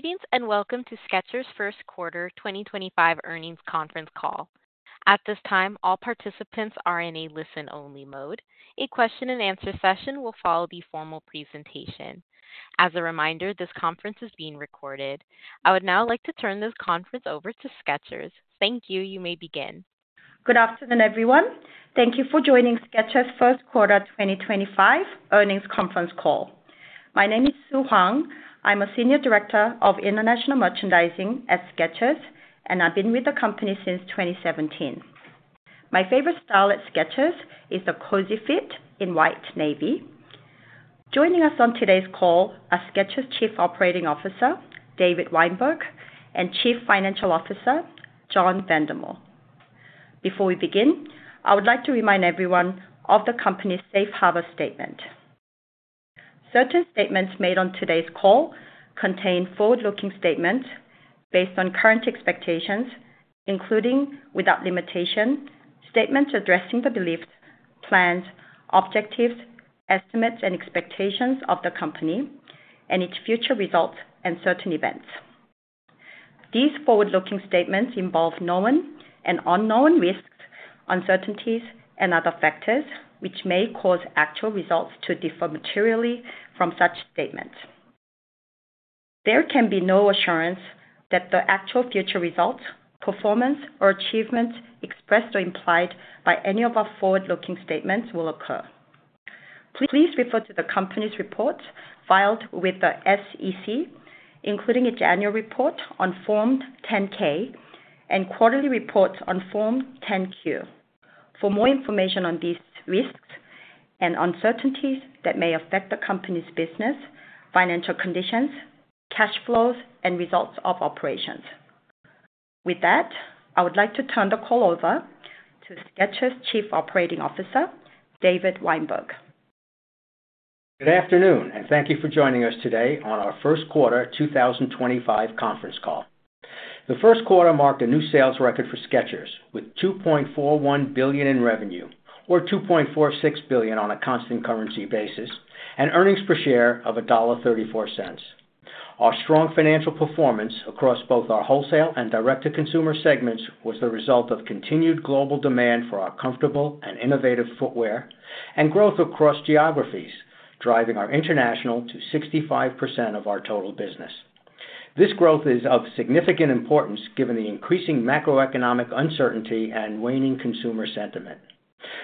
Greetings and welcome to Skechers' first quarter 2025 earnings conference call. At this time, all participants are in a listen-only mode. A question-and-answer session will follow the formal presentation. As a reminder, this conference is being recorded. I would now like to turn this conference over to Skechers. Thank you. You may begin. Good afternoon, everyone. Thank you for joining Skechers' first quarter 2025 earnings conference call. My name is Soo Hwang. I'm a Senior Director of International Merchandising at Skechers, and I've been with the company since 2017. My favorite style at Skechers is the Cozy Fit in white navy. Joining us on today's call are Skechers' Chief Operating Officer, David Weinberg, and Chief Financial Officer, John Vandemore. Before we begin, I would like to remind everyone of the company's safe harbor statement. Certain statements made on today's call contain forward-looking statements based on current expectations, including without limitation, statements addressing the beliefs, plans, objectives, estimates, and expectations of the company, and its future results and certain events. These forward-looking statements involve known and unknown risks, uncertainties, and other factors which may cause actual results to differ materially from such statements. There can be no assurance that the actual future results, performance, or achievements expressed or implied by any of our forward-looking statements will occur. Please refer to the company's reports filed with the SEC, including its annual report on Form 10-K and quarterly reports on Form 10-Q. For more information on these risks and uncertainties that may affect the company's business, financial conditions, cash flows, and results of operations. With that, I would like to turn the call over to Skechers' Chief Operating Officer, David Weinberg. Good afternoon, and thank you for joining us today on our first quarter 2025 conference call. The first quarter marked a new sales record for Skechers with $2.41 billion in revenue, or $2.46 billion on a constant currency basis, and earnings per share of $1.34. Our strong financial performance across both our wholesale and direct-to-consumer segments was the result of continued global demand for our comfortable and innovative footwear and growth across geographies, driving our international to 65% of our total business. This growth is of significant importance given the increasing macroeconomic uncertainty and waning consumer sentiment.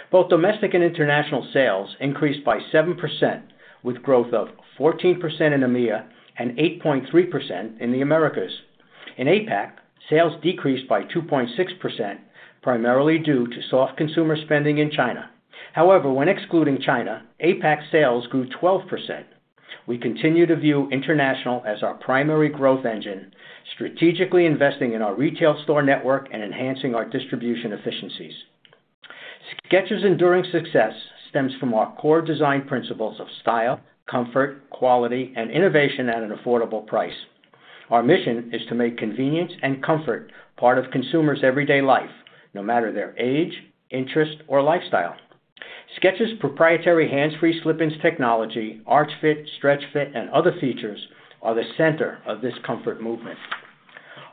Both domestic and international sales increased by 7%, with growth of 14% in EMEA and 8.3% in the Americas. In APAC, sales decreased by 2.6%, primarily due to soft consumer spending in China. However, when excluding China, APAC sales grew 12%. We continue to view international as our primary growth engine, strategically investing in our retail store network and enhancing our distribution efficiencies. Skechers' enduring success stems from our core design principles of style, comfort, quality, and innovation at an affordable price. Our mission is to make convenience and comfort part of consumers' everyday life, no matter their age, interest, or lifestyle. Skechers' proprietary Hands-Free Slip-ins technology, Arch Fit, Stretch Fit, and other features are the center of this comfort movement.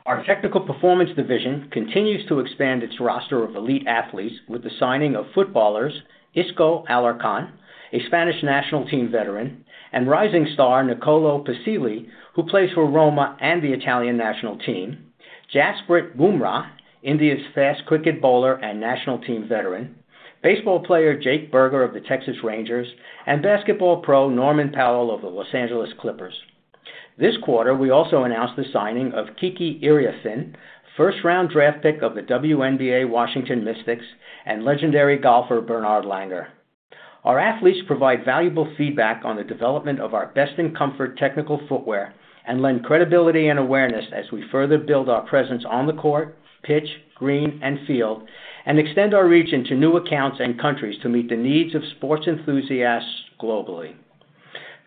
Our technical performance division continues to expand its roster of elite athletes with the signing of footballers Isco Alarcón, a Spanish national team veteran, and rising star Nicolò Fagioli, who plays for Roma and the Italian national team; Jasprit Bumrah, India's fast cricket bowler and national team veteran; baseball player Jake Berger of the Texas Rangers; and basketball pro Norman Powell of the Los Angeles Clippers. This quarter, we also announced the signing of Kiki Iriafen, first-round draft pick of the WNBA Washington Mystics, and legendary golfer Bernard Langer. Our athletes provide valuable feedback on the development of our best-in-comfort technical footwear and lend credibility and awareness as we further build our presence on the court, pitch, green, and field, and extend our reach into new accounts and countries to meet the needs of sports enthusiasts globally.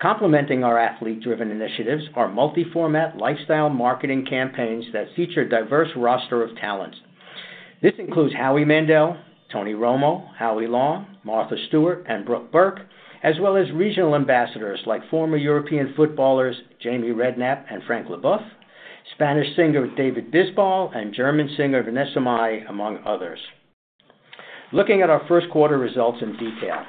Complementing our athlete-driven initiatives are multi-format lifestyle marketing campaigns that feature a diverse roster of talents. This includes Howie Mandel, Tony Romo, Howie Long, Martha Stewart, and Brooke Burke, as well as regional ambassadors like former European footballers Jamie Redknapp and Frank Leboeuf, Spanish singer David Bisbal and German singer Vanessa Mai, among others. Looking at our first quarter results in detail,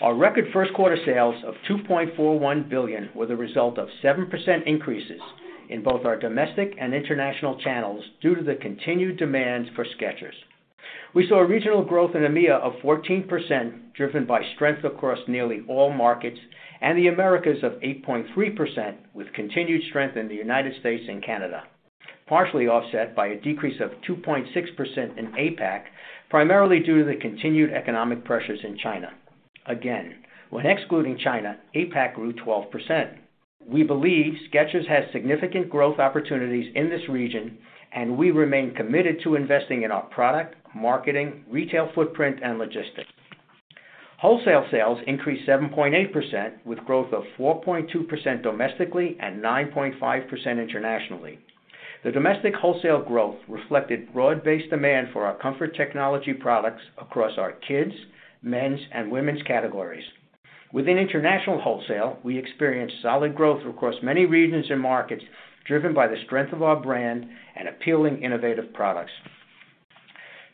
our record first quarter sales of $2.41 billion were the result of 7% increases in both our domestic and international channels due to the continued demand for Skechers. We saw regional growth in EMEA of 14%, driven by strength across nearly all markets, and the Americas of 8.3% with continued strength in the United States and Canada, partially offset by a decrease of 2.6% in APAC, primarily due to the continued economic pressures in China. Again, when excluding China, APAC grew 12%. We believe Skechers has significant growth opportunities in this region, and we remain committed to investing in our product, marketing, retail footprint, and logistics. Wholesale sales increased 7.8% with growth of 4.2% domestically and 9.5% internationally. The domestic wholesale growth reflected broad-based demand for our comfort technology products across our kids, men's, and women's categories. Within international wholesale, we experienced solid growth across many regions and markets, driven by the strength of our brand and appealing innovative products.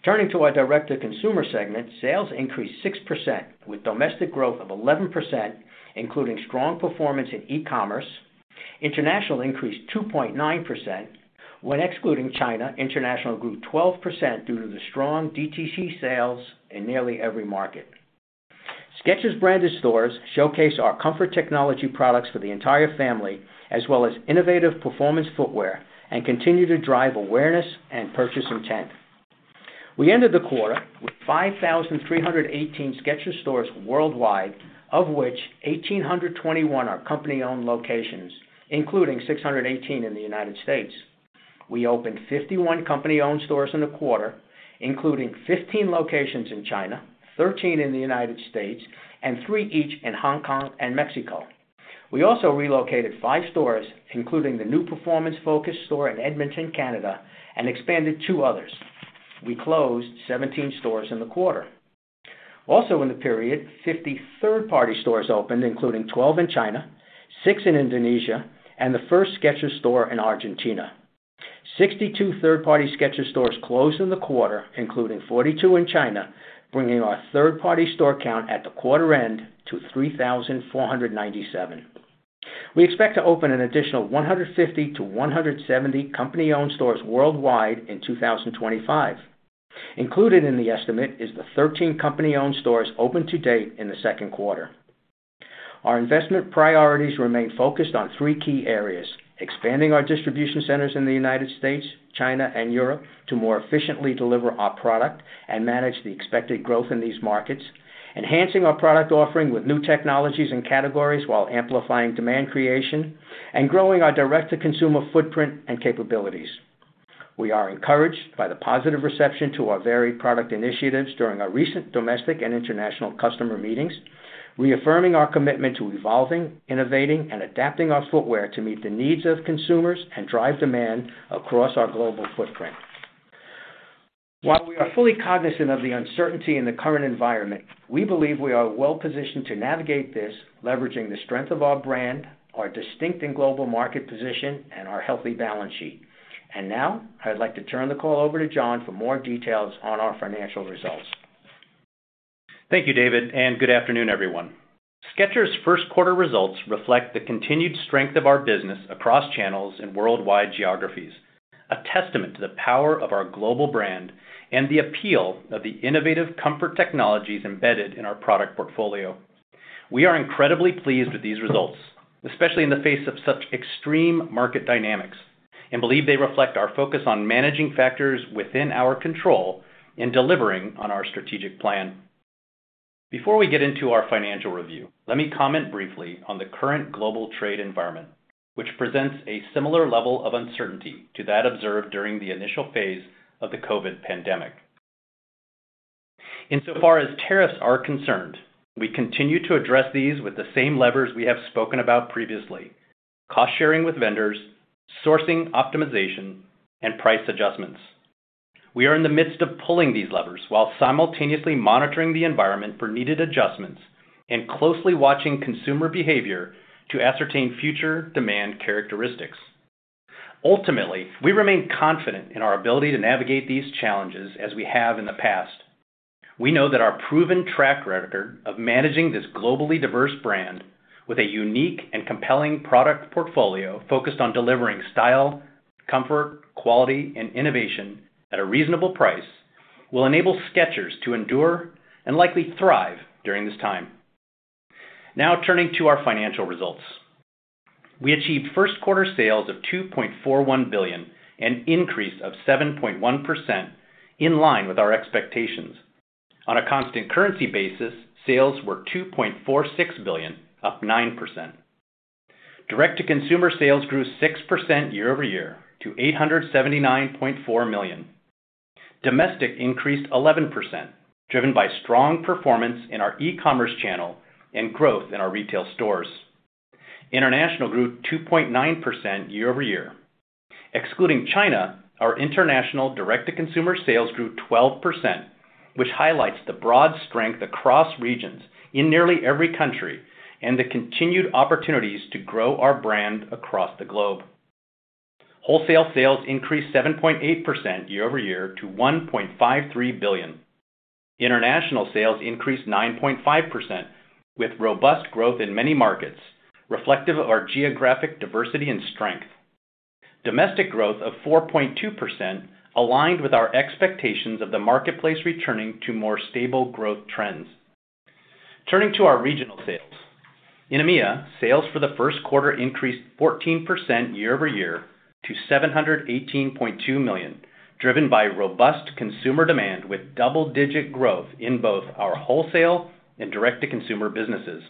Turning to our direct-to-consumer segment, sales increased 6% with domestic growth of 11%, including strong performance in e-commerce. International increased 2.9%. When excluding China, international grew 12% due to the strong DTC sales in nearly every market. Skechers' branded stores showcase our comfort technology products for the entire family, as well as innovative performance footwear, and continue to drive awareness and purchase intent. We ended the quarter with 5,318 Skechers stores worldwide, of which 1,821 are company-owned locations, including 618 in the United States. We opened 51 company-owned stores in the quarter, including 15 locations in China, 13 in the United States, and three each in Hong Kong and Mexico. We also relocated five stores, including the new performance-focused store in Edmonton, Canada, and expanded two others. We closed 17 stores in the quarter. Also, in the period, 50 third-party stores opened, including 12 in China, 6 in Indonesia, and the first Skechers store in Argentina. 62 third-party Skechers stores closed in the quarter, including 42 in China, bringing our third-party store count at the quarter end to 3,497. We expect to open an additional 150-170 company-owned stores worldwide in 2025. Included in the estimate is the 13 company-owned stores opened to date in the second quarter. Our investment priorities remain focused on three key areas: expanding our distribution centers in the United States, China, and Europe to more efficiently deliver our product and manage the expected growth in these markets, enhancing our product offering with new technologies and categories while amplifying demand creation, and growing our direct-to-consumer footprint and capabilities. We are encouraged by the positive reception to our varied product initiatives during our recent domestic and international customer meetings, reaffirming our commitment to evolving, innovating, and adapting our footwear to meet the needs of consumers and drive demand across our global footprint. While we are fully cognizant of the uncertainty in the current environment, we believe we are well-positioned to navigate this, leveraging the strength of our brand, our distinct and global market position, and our healthy balance sheet. I would like to turn the call over to John for more details on our financial results. Thank you, David, and good afternoon, everyone. Skechers' first quarter results reflect the continued strength of our business across channels and worldwide geographies, a testament to the power of our global brand and the appeal of the innovative comfort technologies embedded in our product portfolio. We are incredibly pleased with these results, especially in the face of such extreme market dynamics, and believe they reflect our focus on managing factors within our control in delivering on our strategic plan. Before we get into our financial review, let me comment briefly on the current global trade environment, which presents a similar level of uncertainty to that observed during the initial phase of the COVID pandemic. Insofar as tariffs are concerned, we continue to address these with the same levers we have spoken about previously: cost-sharing with vendors, sourcing optimization, and price adjustments. We are in the midst of pulling these levers while simultaneously monitoring the environment for needed adjustments and closely watching consumer behavior to ascertain future demand characteristics. Ultimately, we remain confident in our ability to navigate these challenges as we have in the past. We know that our proven track record of managing this globally diverse brand with a unique and compelling product portfolio focused on delivering style, comfort, quality, and innovation at a reasonable price will enable Skechers to endure and likely thrive during this time. Now, turning to our financial results, we achieved first quarter sales of $2.41 billion, an increase of 7.1% in line with our expectations. On a constant currency basis, sales were $2.46 billion, up 9%. Direct-to-consumer sales grew 6% year over year to $879.4 million. Domestic increased 11%, driven by strong performance in our e-commerce channel and growth in our retail stores. International grew 2.9% year over year. Excluding China, our international direct-to-consumer sales grew 12%, which highlights the broad strength across regions in nearly every country and the continued opportunities to grow our brand across the globe. Wholesale sales increased 7.8% year over year to $1.53 billion. International sales increased 9.5%, with robust growth in many markets, reflective of our geographic diversity and strength. Domestic growth of 4.2% aligned with our expectations of the marketplace returning to more stable growth trends. Turning to our regional sales, in EMEA, sales for the first quarter increased 14% year over year to $718.2 million, driven by robust consumer demand with double-digit growth in both our wholesale and direct-to-consumer businesses.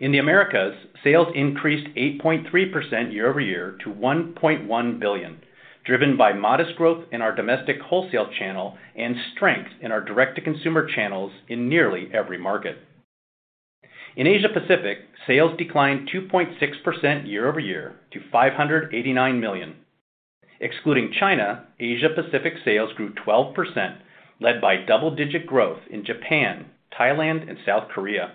In the Americas, sales increased 8.3% year over year to $1.1 billion, driven by modest growth in our domestic wholesale channel and strength in our direct-to-consumer channels in nearly every market. In Asia-Pacific, sales declined 2.6% year over year to $589 million. Excluding China, Asia-Pacific sales grew 12%, led by double-digit growth in Japan, Thailand, and South Korea.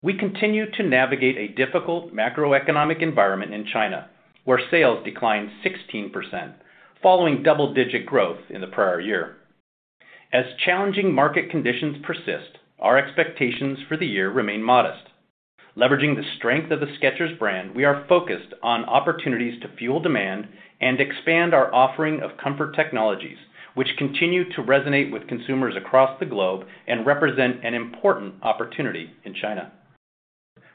We continue to navigate a difficult macroeconomic environment in China, where sales declined 16%, following double-digit growth in the prior year. As challenging market conditions persist, our expectations for the year remain modest. Leveraging the strength of the Skechers brand, we are focused on opportunities to fuel demand and expand our offering of comfort technologies, which continue to resonate with consumers across the globe and represent an important opportunity in China.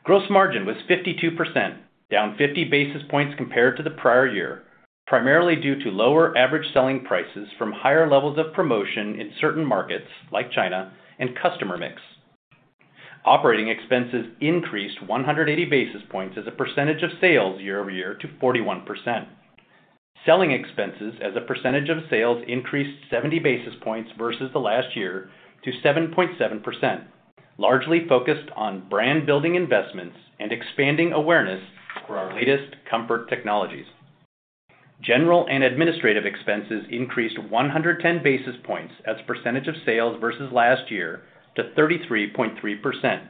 Gross margin was 52%, down 50 basis points compared to the prior year, primarily due to lower average selling prices from higher levels of promotion in certain markets like China and customer mix. Operating expenses increased 180 basis points as a percentage of sales year over year to 41%. Selling expenses as a percentage of sales increased 70 basis points versus the last year to 7.7%, largely focused on brand-building investments and expanding awareness for our latest comfort technologies. General and administrative expenses increased 110 basis points as a percentage of sales versus last year to 33.3%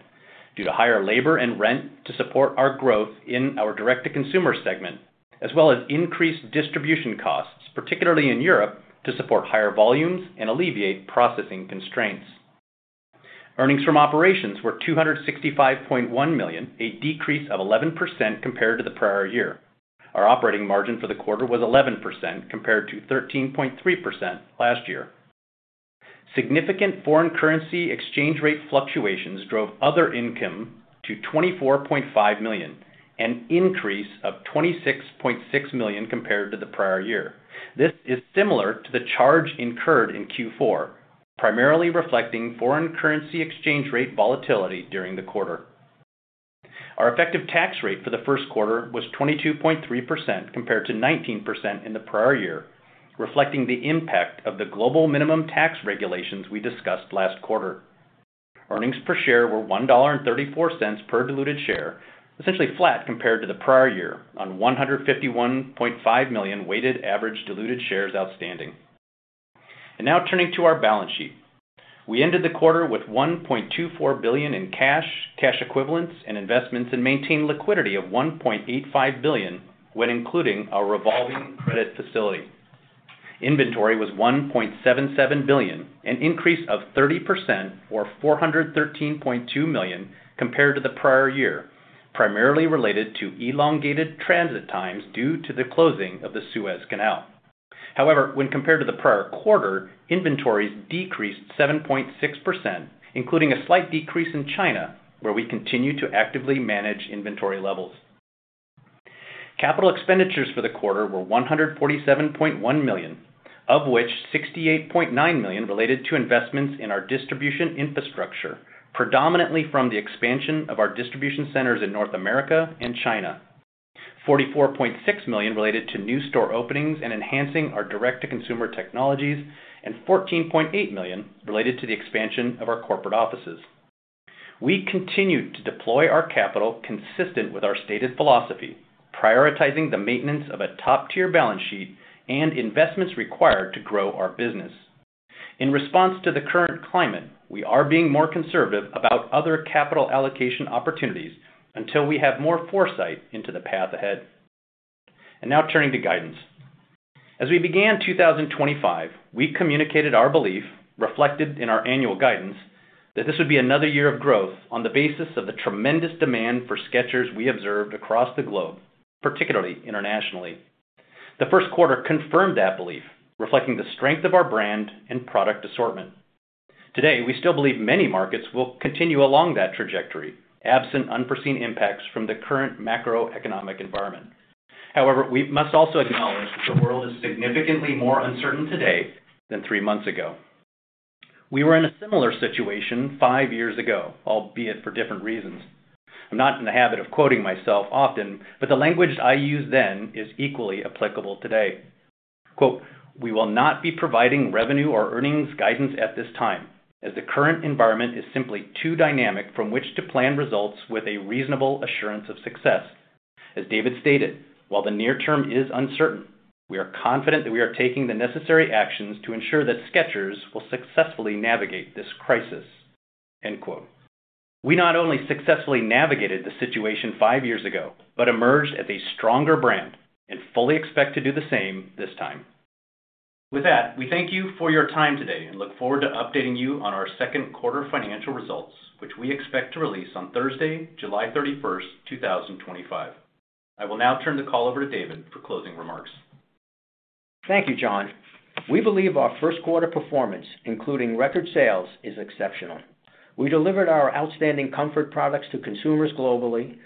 due to higher labor and rent to support our growth in our direct-to-consumer segment, as well as increased distribution costs, particularly in Europe, to support higher volumes and alleviate processing constraints. Earnings from operations were $265.1 million, a decrease of 11% compared to the prior year. Our operating margin for the quarter was 11% compared to 13.3% last year. Significant foreign currency exchange rate fluctuations drove other income to $24.5 million, an increase of $26.6 million compared to the prior year. This is similar to the charge incurred in Q4, primarily reflecting foreign currency exchange rate volatility during the quarter. Our effective tax rate for the first quarter was 22.3% compared to 19% in the prior year, reflecting the impact of the global minimum tax regulations we discussed last quarter. Earnings per share were $1.34 per diluted share, essentially flat compared to the prior year on $151.5 million weighted average diluted shares outstanding. Now, turning to our balance sheet, we ended the quarter with $1.24 billion in cash, cash equivalents, and investments and maintained liquidity of $1.85 billion when including our revolving credit facility. Inventory was $1.77 billion, an increase of 30% or $413.2 million compared to the prior year, primarily related to elongated transit times due to the closing of the Suez Canal. However, when compared to the prior quarter, inventories decreased 7.6%, including a slight decrease in China, where we continue to actively manage inventory levels. Capital expenditures for the quarter were $147.1 million, of which $68.9 million related to investments in our distribution infrastructure, predominantly from the expansion of our distribution centers in North America and China, $44.6 million related to new store openings and enhancing our direct-to-consumer technologies, and $14.8 million related to the expansion of our corporate offices. We continue to deploy our capital consistent with our stated philosophy, prioritizing the maintenance of a top-tier balance sheet and investments required to grow our business. In response to the current climate, we are being more conservative about other capital allocation opportunities until we have more foresight into the path ahead. Now, turning to guidance. As we began 2025, we communicated our belief, reflected in our annual guidance, that this would be another year of growth on the basis of the tremendous demand for Skechers we observed across the globe, particularly internationally. The first quarter confirmed that belief, reflecting the strength of our brand and product assortment. Today, we still believe many markets will continue along that trajectory, absent unforeseen impacts from the current macroeconomic environment. However, we must also acknowledge that the world is significantly more uncertain today than three months ago. We were in a similar situation five years ago, albeit for different reasons. I'm not in the habit of quoting myself often, but the language I used then is equally applicable today. "We will not be providing revenue or earnings guidance at this time, as the current environment is simply too dynamic from which to plan results with a reasonable assurance of success. As David stated, while the near term is uncertain, we are confident that we are taking the necessary actions to ensure that Skechers will successfully navigate this crisis. We not only successfully navigated the situation five years ago, but emerged as a stronger brand and fully expect to do the same this time. With that, we thank you for your time today and look forward to updating you on our second quarter financial results, which we expect to release on Thursday, July 31st, 2025. I will now turn the call over to David for closing remarks. Thank you, John. We believe our first quarter performance, including record sales, is exceptional. We delivered our outstanding comfort products to consumers globally,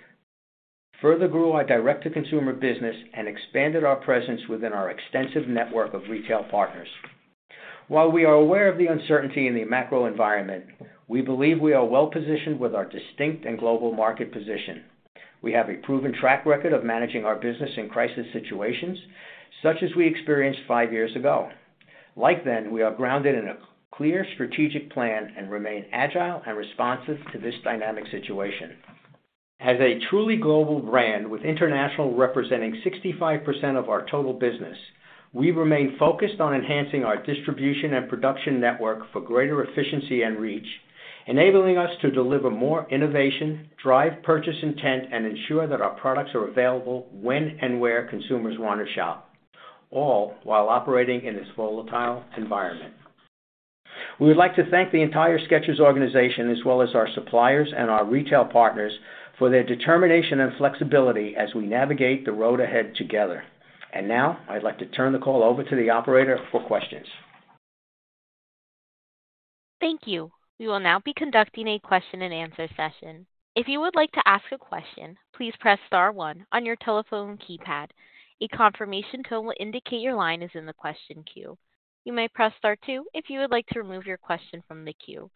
further grew our direct-to-consumer business, and expanded our presence within our extensive network of retail partners. While we are aware of the uncertainty in the macro environment, we believe we are well-positioned with our distinct and global market position. We have a proven track record of managing our business in crisis situations, such as we experienced five years ago. Like then, we are grounded in a clear strategic plan and remain agile and responsive to this dynamic situation. As a truly global brand with international representing 65% of our total business, we remain focused on enhancing our distribution and production network for greater efficiency and reach, enabling us to deliver more innovation, drive purchase intent, and ensure that our products are available when and where consumers want to shop, all while operating in this volatile environment. We would like to thank the entire Skechers organization, as well as our suppliers and our retail partners, for their determination and flexibility as we navigate the road ahead together. I would like to turn the call over to the operator for questions. Thank you. We will now be conducting a question-and-answer session. If you would like to ask a question, please press star one on your telephone keypad. A confirmation tone will indicate your line is in the question queue. You may press star tws if you would like to remove your question from the queue.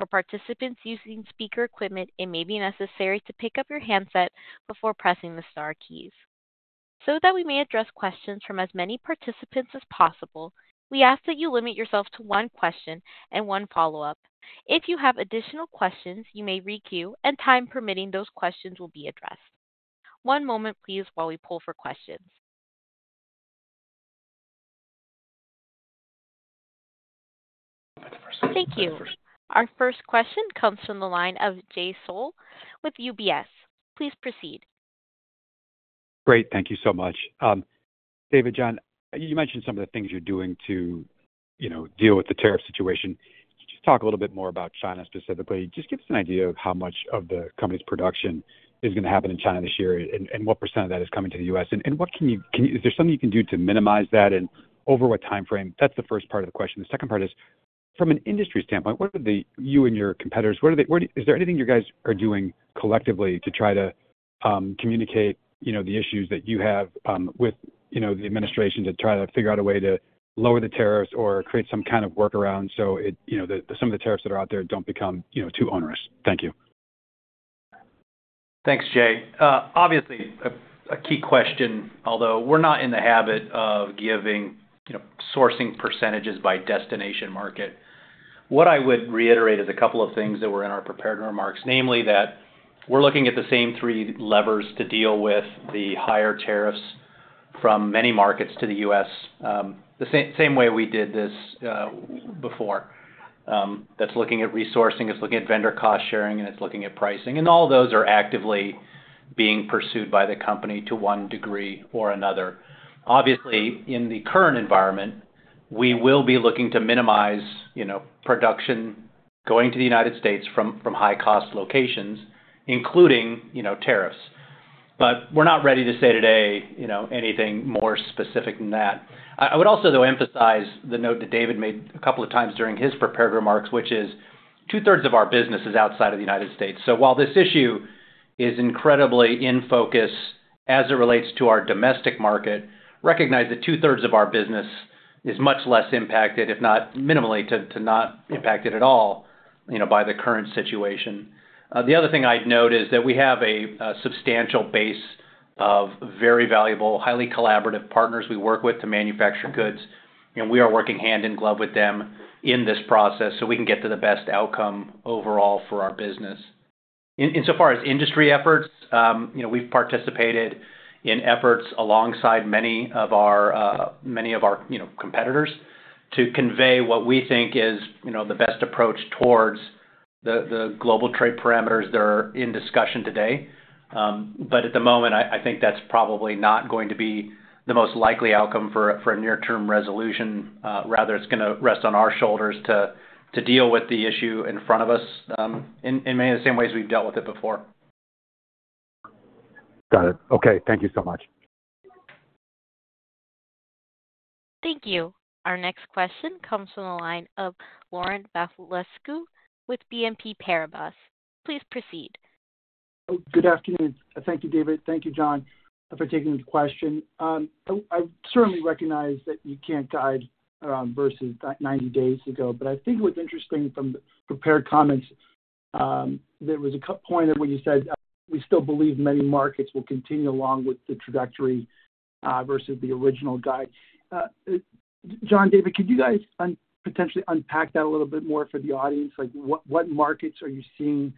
For participants using speaker equipment, it may be necessary to pick up your handset before pressing the Star keys. So that we may address questions from as many participants as possible, we ask that you limit yourself to one question and one follow-up. If you have additional questions, you may re-queue, and time permitting, those questions will be addressed. One moment, please, while we pull for questions. Thank you. Our first question comes from the line of Jay Sole with UBS. Please proceed. Great. Thank you so much. David, John, you mentioned some of the things you're doing to deal with the tariff situation. Could you just talk a little bit more about China specifically? Just give us an idea of how much of the company's production is going to happen in China this year and what % of that is coming to the U.S.? Is there something you can do to minimize that and over what time frame? That's the first part of the question. The second part is, from an industry standpoint, you and your competitors, is there anything you guys are doing collectively to try to communicate the issues that you have with the administration to try to figure out a way to lower the tariffs or create some kind of workaround so that some of the tariffs that are out there don't become too onerous? Thank you. Thanks, Jay. Obviously, a key question, although we're not in the habit of sourcing percentages by destination market. What I would reiterate is a couple of things that were in our prepared remarks, namely that we're looking at the same three levers to deal with the higher tariffs from many markets to the U.S., the same way we did this before. That's looking at resourcing, it's looking at vendor cost sharing, and it's looking at pricing. All those are actively being pursued by the company to one degree or another. Obviously, in the current environment, we will be looking to minimize production going to the United States from high-cost locations, including tariffs. We're not ready to say today anything more specific than that. I would also, though, emphasize the note that David made a couple of times during his prepared remarks, which is two-thirds of our business is outside of the United States. While this issue is incredibly in focus as it relates to our domestic market, recognize that two-thirds of our business is much less impacted, if not minimally, to not impacted at all by the current situation. The other thing I'd note is that we have a substantial base of very valuable, highly collaborative partners we work with to manufacture goods. We are working hand in glove with them in this process so we can get to the best outcome overall for our business. Insofar as industry efforts, we've participated in efforts alongside many of our competitors to convey what we think is the best approach towards the global trade parameters that are in discussion today. At the moment, I think that's probably not going to be the most likely outcome for a near-term resolution. Rather, it's going to rest on our shoulders to deal with the issue in front of us in many of the same ways we've dealt with it before. Got it. Okay. Thank you so much. Thank you. Our next question comes from the line of Laurent Vasilescu, with BNP Paribas. Please proceed. Good afternoon. Thank you, David. Thank you, John, for taking the question. I certainly recognize that you can't guide versus 90 days ago. I think what's interesting from the prepared comments, there was a point where you said, "We still believe many markets will continue along with the trajectory versus the original guide." John, David, could you guys potentially unpack that a little bit more for the audience? What markets are you seeing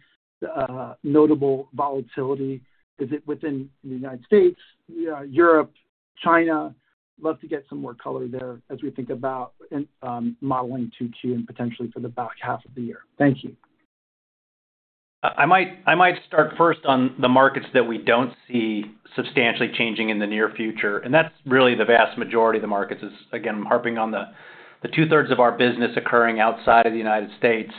notable volatility? Is it within the United States, Europe, China? Love to get some more color there as we think about modeling 2Q and potentially for the back half of the year. Thank you. I might start first on the markets that we do not see substantially changing in the near future. That is really the vast majority of the markets. Again, I am harping on the two-thirds of our business occurring outside of the United States.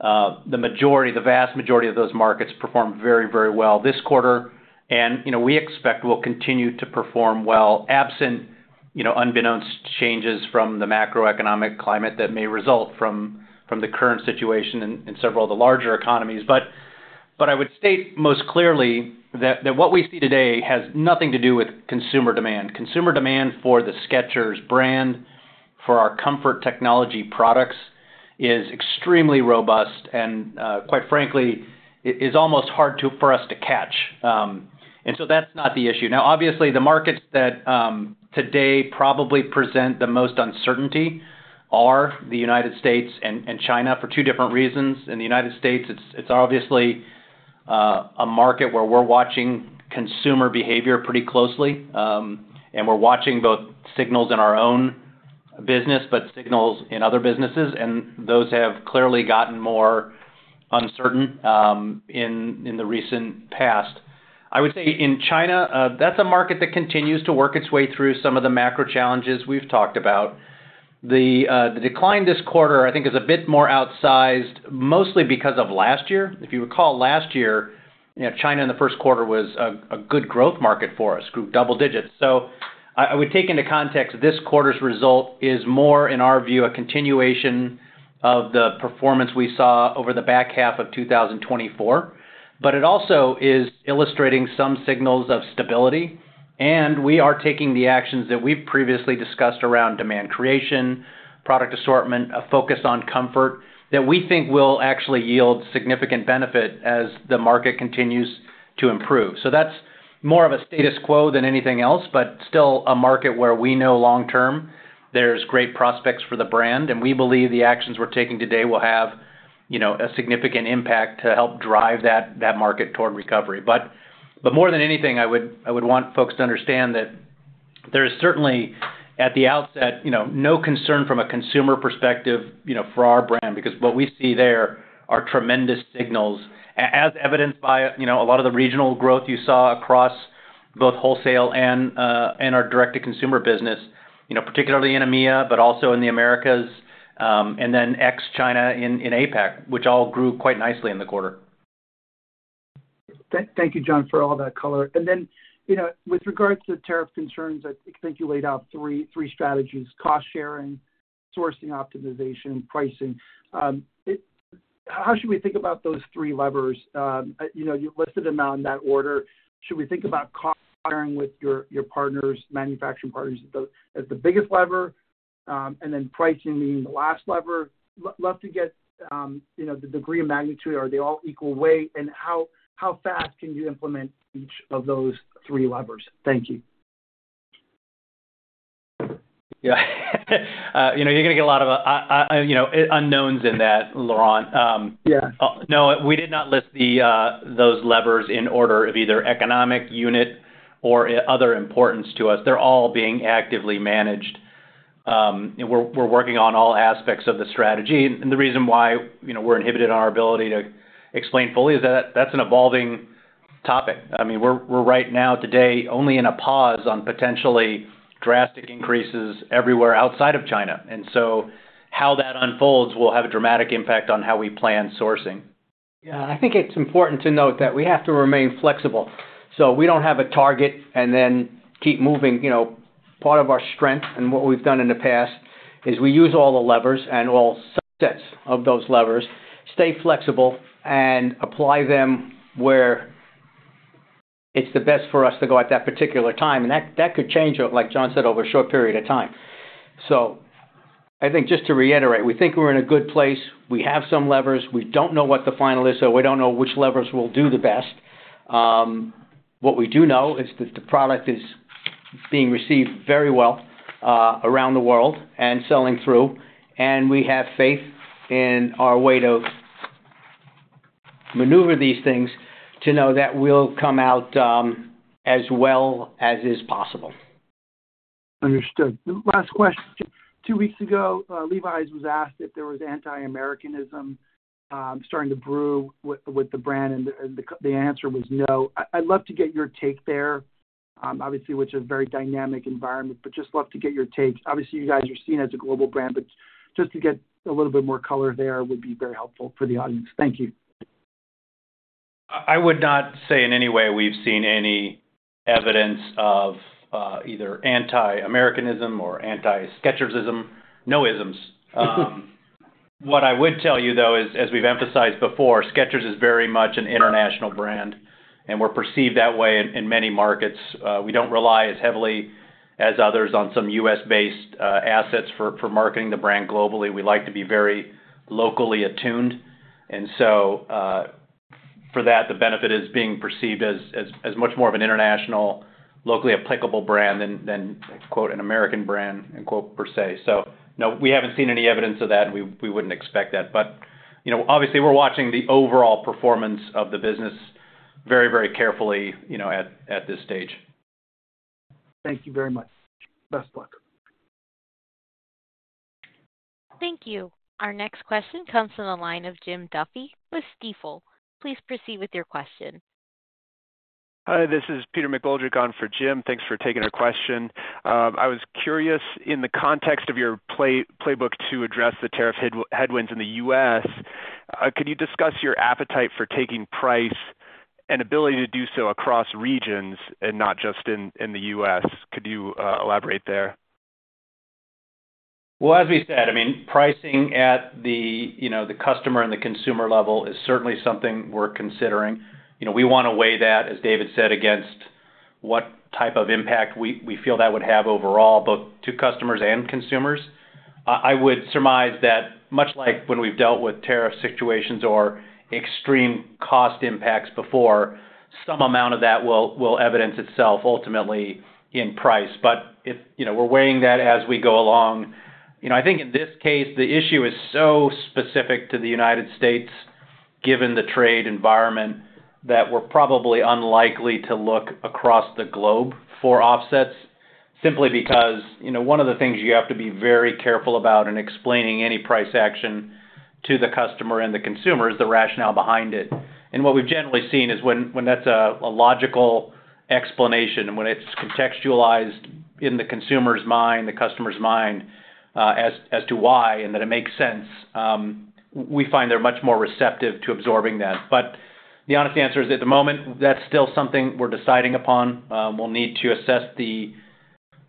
The vast majority of those markets performed very, very well this quarter, and we expect will continue to perform well absent unbeknownst changes from the macroeconomic climate that may result from the current situation in several of the larger economies. I would state most clearly that what we see today has nothing to do with consumer demand. Consumer demand for the Skechers brand, for our comfort technology products, is extremely robust and, quite frankly, is almost hard for us to catch. That is not the issue. Obviously, the markets that today probably present the most uncertainty are the United States and China for two different reasons. In the United States, it's obviously a market where we're watching consumer behavior pretty closely. We're watching both signals in our own business, but signals in other businesses. Those have clearly gotten more uncertain in the recent past. I would say in China, that's a market that continues to work its way through some of the macro challenges we've talked about. The decline this quarter, I think, is a bit more outsized, mostly because of last year. If you recall, last year, China in the first quarter was a good growth market for us, grew double digits. I would take into context this quarter's result is more, in our view, a continuation of the performance we saw over the back half of 2024. It also is illustrating some signals of stability. We are taking the actions that we've previously discussed around demand creation, product assortment, a focus on comfort that we think will actually yield significant benefit as the market continues to improve. That is more of a status quo than anything else, but still a market where we know long-term there's great prospects for the brand. We believe the actions we're taking today will have a significant impact to help drive that market toward recovery. More than anything, I would want folks to understand that there is certainly, at the outset, no concern from a consumer perspective for our brand because what we see there are tremendous signals, as evidenced by a lot of the regional growth you saw across both wholesale and our direct-to-consumer business, particularly in EMEA, but also in the Americas, and then ex-China in APAC, which all grew quite nicely in the quarter. Thank you, John, for all that color. With regards to tariff concerns, I think you laid out three strategies: cost sharing, sourcing optimization, and pricing. How should we think about those three levers? You listed them in that order. Should we think about cost sharing with your manufacturing partners as the biggest lever, and then pricing being the last lever? Love to get the degree of magnitude. Are they all equal weight? How fast can you implement each of those three levers? Thank you. Yeah. You're going to get a lot of unknowns in that, Laurent. Yeah. No, we did not list those levers in order of either economic unit or other importance to us. They're all being actively managed. We're working on all aspects of the strategy. The reason why we're inhibited on our ability to explain fully is that that's an evolving topic. I mean, we're right now today only in a pause on potentially drastic increases everywhere outside of China. How that unfolds will have a dramatic impact on how we plan sourcing. Yeah. I think it's important to note that we have to remain flexible. We don't have a target and then keep moving. Part of our strength and what we've done in the past is we use all the levers and all sets of those levers, stay flexible, and apply them where it's the best for us to go at that particular time. That could change, like John said, over a short period of time. I think just to reiterate, we think we're in a good place. We have some levers. We don't know what the final is, so we don't know which levers will do the best. What we do know is that the product is being received very well around the world and selling through. We have faith in our way to maneuver these things to know that we'll come out as well as is possible. Understood. Last question. Two weeks ago, Levi's was asked if there was anti-Americanism starting to brew with the brand, and the answer was no. I'd love to get your take there, obviously, which is a very dynamic environment, but just love to get your take. Obviously, you guys are seen as a global brand, but just to get a little bit more color there would be very helpful for the audience. Thank you. I would not say in any way we've seen any evidence of either anti-Americanism or anti-Skechersism. No-isms. What I would tell you, though, as we've emphasized before, Skechers is very much an international brand, and we're perceived that way in many markets. We don't rely as heavily as others on some U.S.-based assets for marketing the brand globally. We like to be very locally attuned. For that, the benefit is being perceived as much more of an international, locally applicable brand than, quote, "an American brand," a quote per se. No, we haven't seen any evidence of that, and we wouldn't expect that. Obviously, we're watching the overall performance of the business very, very carefully at this stage. Thank you very much. Best of luck. Thank you. Our next question comes from the line of Jim Duffy with Stifel. Please proceed with your question. Hi, this is Peter McGoldrick on for Jim. Thanks for taking our question. I was curious, in the context of your playbook to address the tariff headwinds in the U.S., could you discuss your appetite for taking price and ability to do so across regions and not just in the U.S.? Could you elaborate there? As we said, I mean, pricing at the customer and the consumer level is certainly something we're considering. We want to weigh that, as David said, against what type of impact we feel that would have overall, both to customers and consumers. I would surmise that, much like when we've dealt with tariff situations or extreme cost impacts before, some amount of that will evidence itself ultimately in price. We are weighing that as we go along. I think in this case, the issue is so specific to the United States, given the trade environment, that we're probably unlikely to look across the globe for offsets simply because one of the things you have to be very careful about in explaining any price action to the customer and the consumer is the rationale behind it. What we've generally seen is when that's a logical explanation and when it's contextualized in the consumer's mind, the customer's mind, as to why and that it makes sense, we find they're much more receptive to absorbing that. The honest answer is, at the moment, that's still something we're deciding upon. We'll need to assess the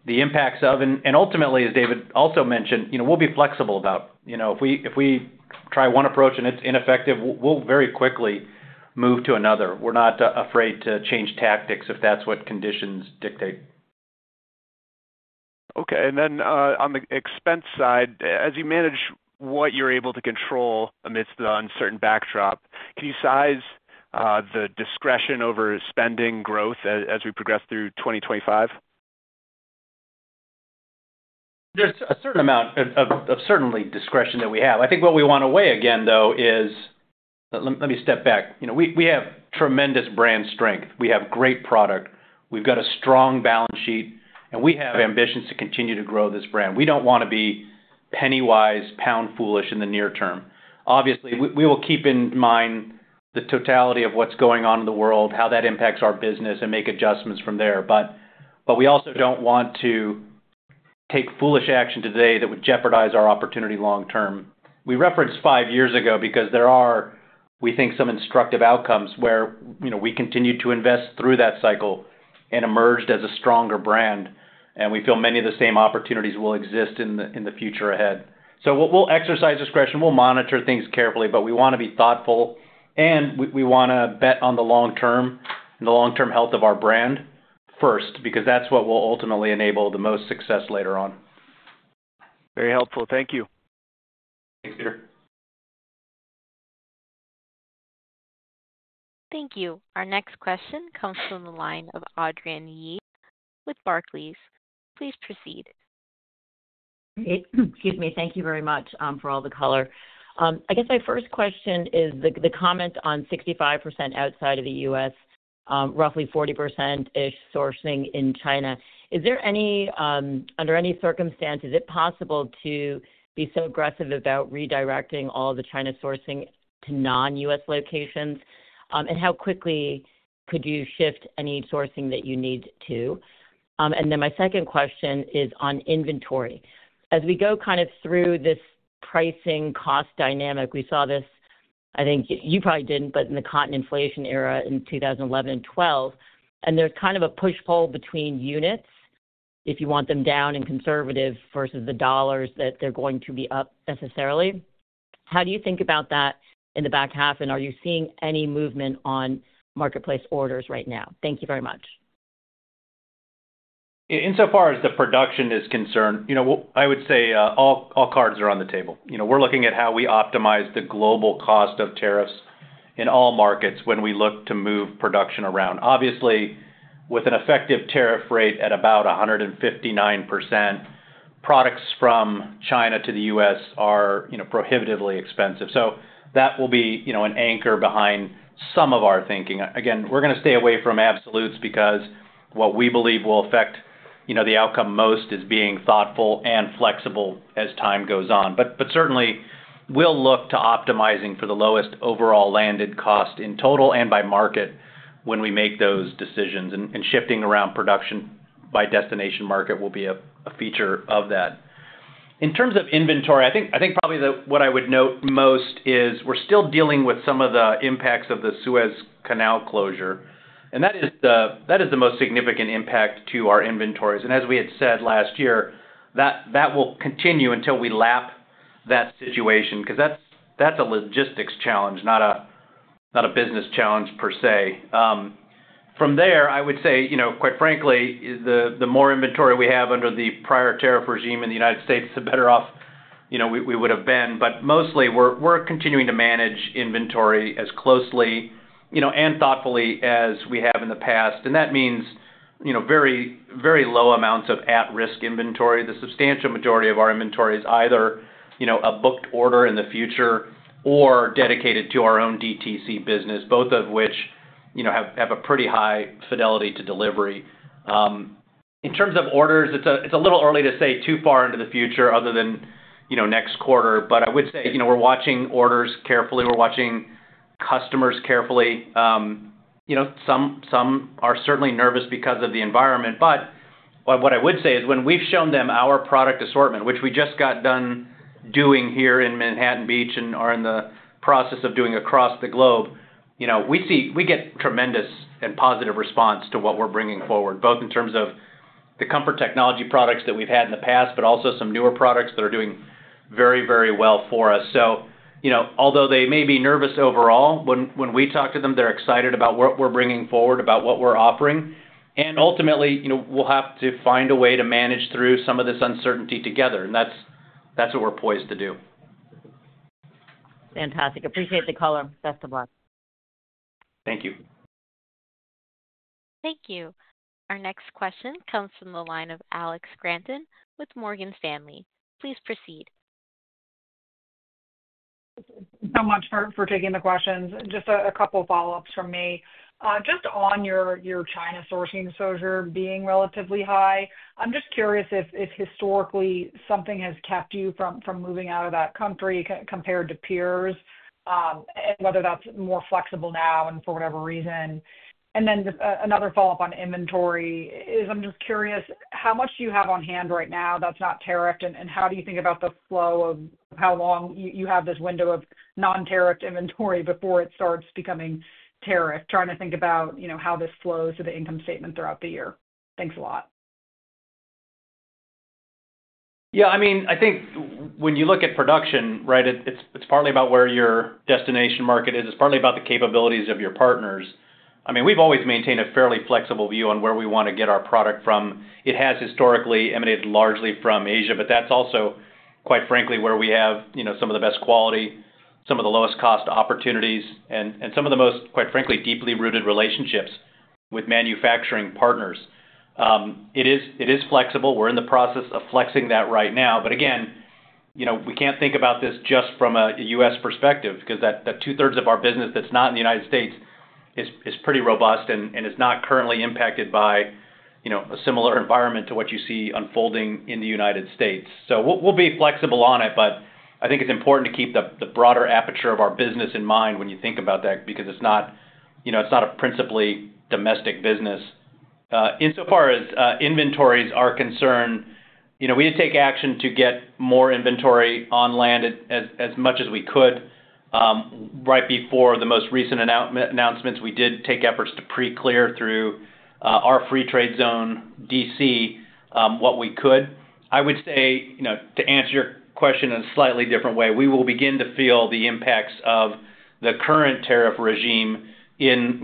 impacts of. Ultimately, as David also mentioned, we'll be flexible about. If we try one approach and it's ineffective, we'll very quickly move to another. We're not afraid to change tactics if that's what conditions dictate. Okay. On the expense side, as you manage what you're able to control amidst the uncertain backdrop, can you size the discretion over spending growth as we progress through 2025? Is a certain amount of discretion that we have. I think what we want to weigh again, though, is let me step back. We have tremendous brand strength. We have great product. We have a strong balance sheet, and we have ambitions to continue to grow this brand. We do not want to be penny-wise, pound-foolish in the near term. Obviously, we will keep in mind the totality of what is going on in the world, how that impacts our business, and make adjustments from there. We also do not want to take foolish action today that would jeopardize our opportunity long-term. We referenced five years ago because there are, we think, some instructive outcomes where we continued to invest through that cycle and emerged as a stronger brand. We feel many of the same opportunities will exist in the future ahead. We will exercise discretion. We'll monitor things carefully, but we want to be thoughtful. We want to bet on the long-term and the long-term health of our brand first because that's what will ultimately enable the most success later on. Very helpful. Thank you. Thanks, Peter. Thank you. Our next question comes from the line of Adrienne Yih with Barclays. Please proceed. Excuse me. Thank you very much for all the color. I guess my first question is the comment on 65% outside of the U.S., roughly 40%-ish sourcing in China. Is there any, under any circumstance, is it possible to be so aggressive about redirecting all the China sourcing to non-U.S. locations? How quickly could you shift any sourcing that you need to? My second question is on inventory. As we go kind of through this pricing cost dynamic, we saw this, I think you probably did not, but in the cotton inflation era in 2011 and 2012, and there is kind of a push-pull between units if you want them down and conservative versus the dollars that they are going to be up necessarily. How do you think about that in the back half? Are you seeing any movement on marketplace orders right now? Thank you very much. Insofar as the production is concerned, I would say all cards are on the table. We're looking at how we optimize the global cost of tariffs in all markets when we look to move production around. Obviously, with an effective tariff rate at about 159%, products from China to the U.S. are prohibitively expensive. That will be an anchor behind some of our thinking. Again, we're going to stay away from absolutes because what we believe will affect the outcome most is being thoughtful and flexible as time goes on. Certainly, we'll look to optimizing for the lowest overall landed cost in total and by market when we make those decisions. Shifting around production by destination market will be a feature of that. In terms of inventory, I think probably what I would note most is we're still dealing with some of the impacts of the Suez Canal closure. That is the most significant impact to our inventories. As we had said last year, that will continue until we lap that situation because that's a logistics challenge, not a business challenge per se. From there, I would say, quite frankly, the more inventory we have under the prior tariff regime in the United States, the better off we would have been. Mostly, we're continuing to manage inventory as closely and thoughtfully as we have in the past. That means very low amounts of at-risk inventory. The substantial majority of our inventory is either a booked order in the future or dedicated to our own DTC business, both of which have a pretty high fidelity to delivery. In terms of orders, it's a little early to say too far into the future other than next quarter. I would say we're watching orders carefully. We're watching customers carefully. Some are certainly nervous because of the environment. What I would say is when we've shown them our product assortment, which we just got done doing here in Manhattan Beach and are in the process of doing across the globe, we get tremendous and positive response to what we're bringing forward, both in terms of the comfort technology products that we've had in the past, but also some newer products that are doing very, very well for us. Although they may be nervous overall, when we talk to them, they're excited about what we're bringing forward, about what we're offering. Ultimately, we'll have to find a way to manage through some of this uncertainty together. That is what we're poised to do. Fantastic. Appreciate the color. Best of luck. Thank you. Thank you. Our next question comes from the line of Alex Straton with Morgan Stanley. Please proceed. Thank you so much for taking the questions. Just a couple of follow-ups from me. Just on your China sourcing exposure being relatively high, I'm just curious if historically something has kept you from moving out of that country compared to peers and whether that's more flexible now and for whatever reason. Another follow-up on inventory is I'm just curious how much do you have on hand right now that's not tariffed? How do you think about the flow of how long you have this window of non-tariffed inventory before it starts becoming tariffed? Trying to think about how this flows to the income statement throughout the year. Thanks a lot. Yeah. I mean, I think when you look at production, right, it's partly about where your destination market is. It's partly about the capabilities of your partners. I mean, we've always maintained a fairly flexible view on where we want to get our product from. It has historically emanated largely from Asia, but that's also, quite frankly, where we have some of the best quality, some of the lowest cost opportunities, and some of the most, quite frankly, deeply rooted relationships with manufacturing partners. It is flexible. We're in the process of flexing that right now. Again, we can't think about this just from a U.S. perspective because the two-thirds of our business that's not in the United States is pretty robust and is not currently impacted by a similar environment to what you see unfolding in the United States. We will be flexible on it, but I think it's important to keep the broader aperture of our business in mind when you think about that because it's not a principally domestic business. Insofar as inventories are concerned, we did take action to get more inventory on land as much as we could. Right before the most recent announcements, we did take efforts to pre-clear through our free trade zone, DC, what we could. I would say, to answer your question in a slightly different way, we will begin to feel the impacts of the current tariff regime in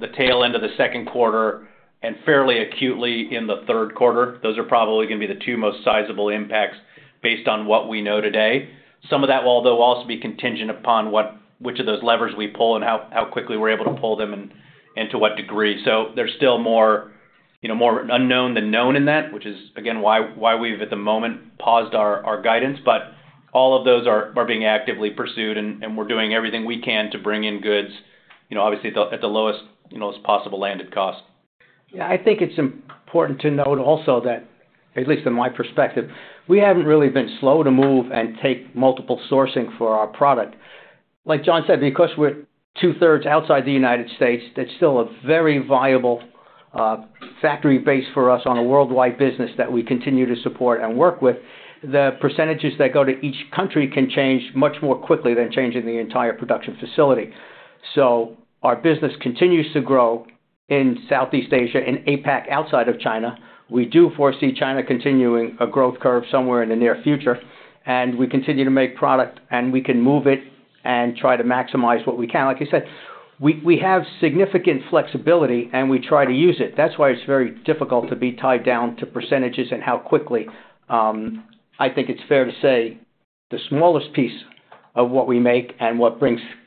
the tail end of the second quarter and fairly acutely in the third quarter. Those are probably going to be the two most sizable impacts based on what we know today. Some of that will, though, also be contingent upon which of those levers we pull and how quickly we're able to pull them and to what degree. There is still more unknown than known in that, which is, again, why we've at the moment paused our guidance. All of those are being actively pursued, and we're doing everything we can to bring in goods, obviously, at the lowest possible landed cost. Yeah. I think it's important to note also that, at least from my perspective, we haven't really been slow to move and take multiple sourcing for our product. Like John said, because we're two-thirds outside the U.S., that's still a very viable factory base for us on a worldwide business that we continue to support and work with. The percentages that go to each country can change much more quickly than changing the entire production facility. Our business continues to grow in Southeast Asia and APAC outside of China. We do foresee China continuing a growth curve somewhere in the near future. We continue to make product, and we can move it and try to maximize what we can. Like I said, we have significant flexibility, and we try to use it. That's why it's very difficult to be tied down to percentages and how quickly. I think it's fair to say the smallest piece of what we make and what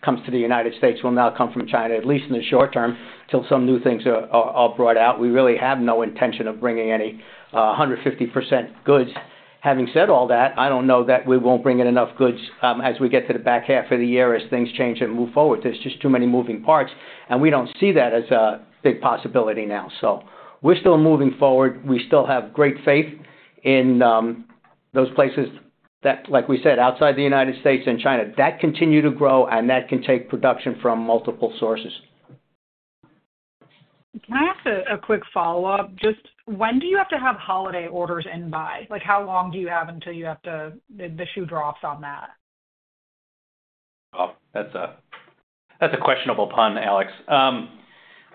comes to the United States will now come from China, at least in the short term, until some new things are brought out. We really have no intention of bringing any 150% goods. Having said all that, I don't know that we won't bring in enough goods as we get to the back half of the year as things change and move forward. There's just too many moving parts, and we don't see that as a big possibility now. We are still moving forward. We still have great faith in those places that, like we said, outside the United States and China, that continue to grow, and that can take production from multiple sources. Can I ask a quick follow-up? Just when do you have to have holiday orders in by? How long do you have until you have to the shoe drops on that? Oh, that's a questionable pun, Alex.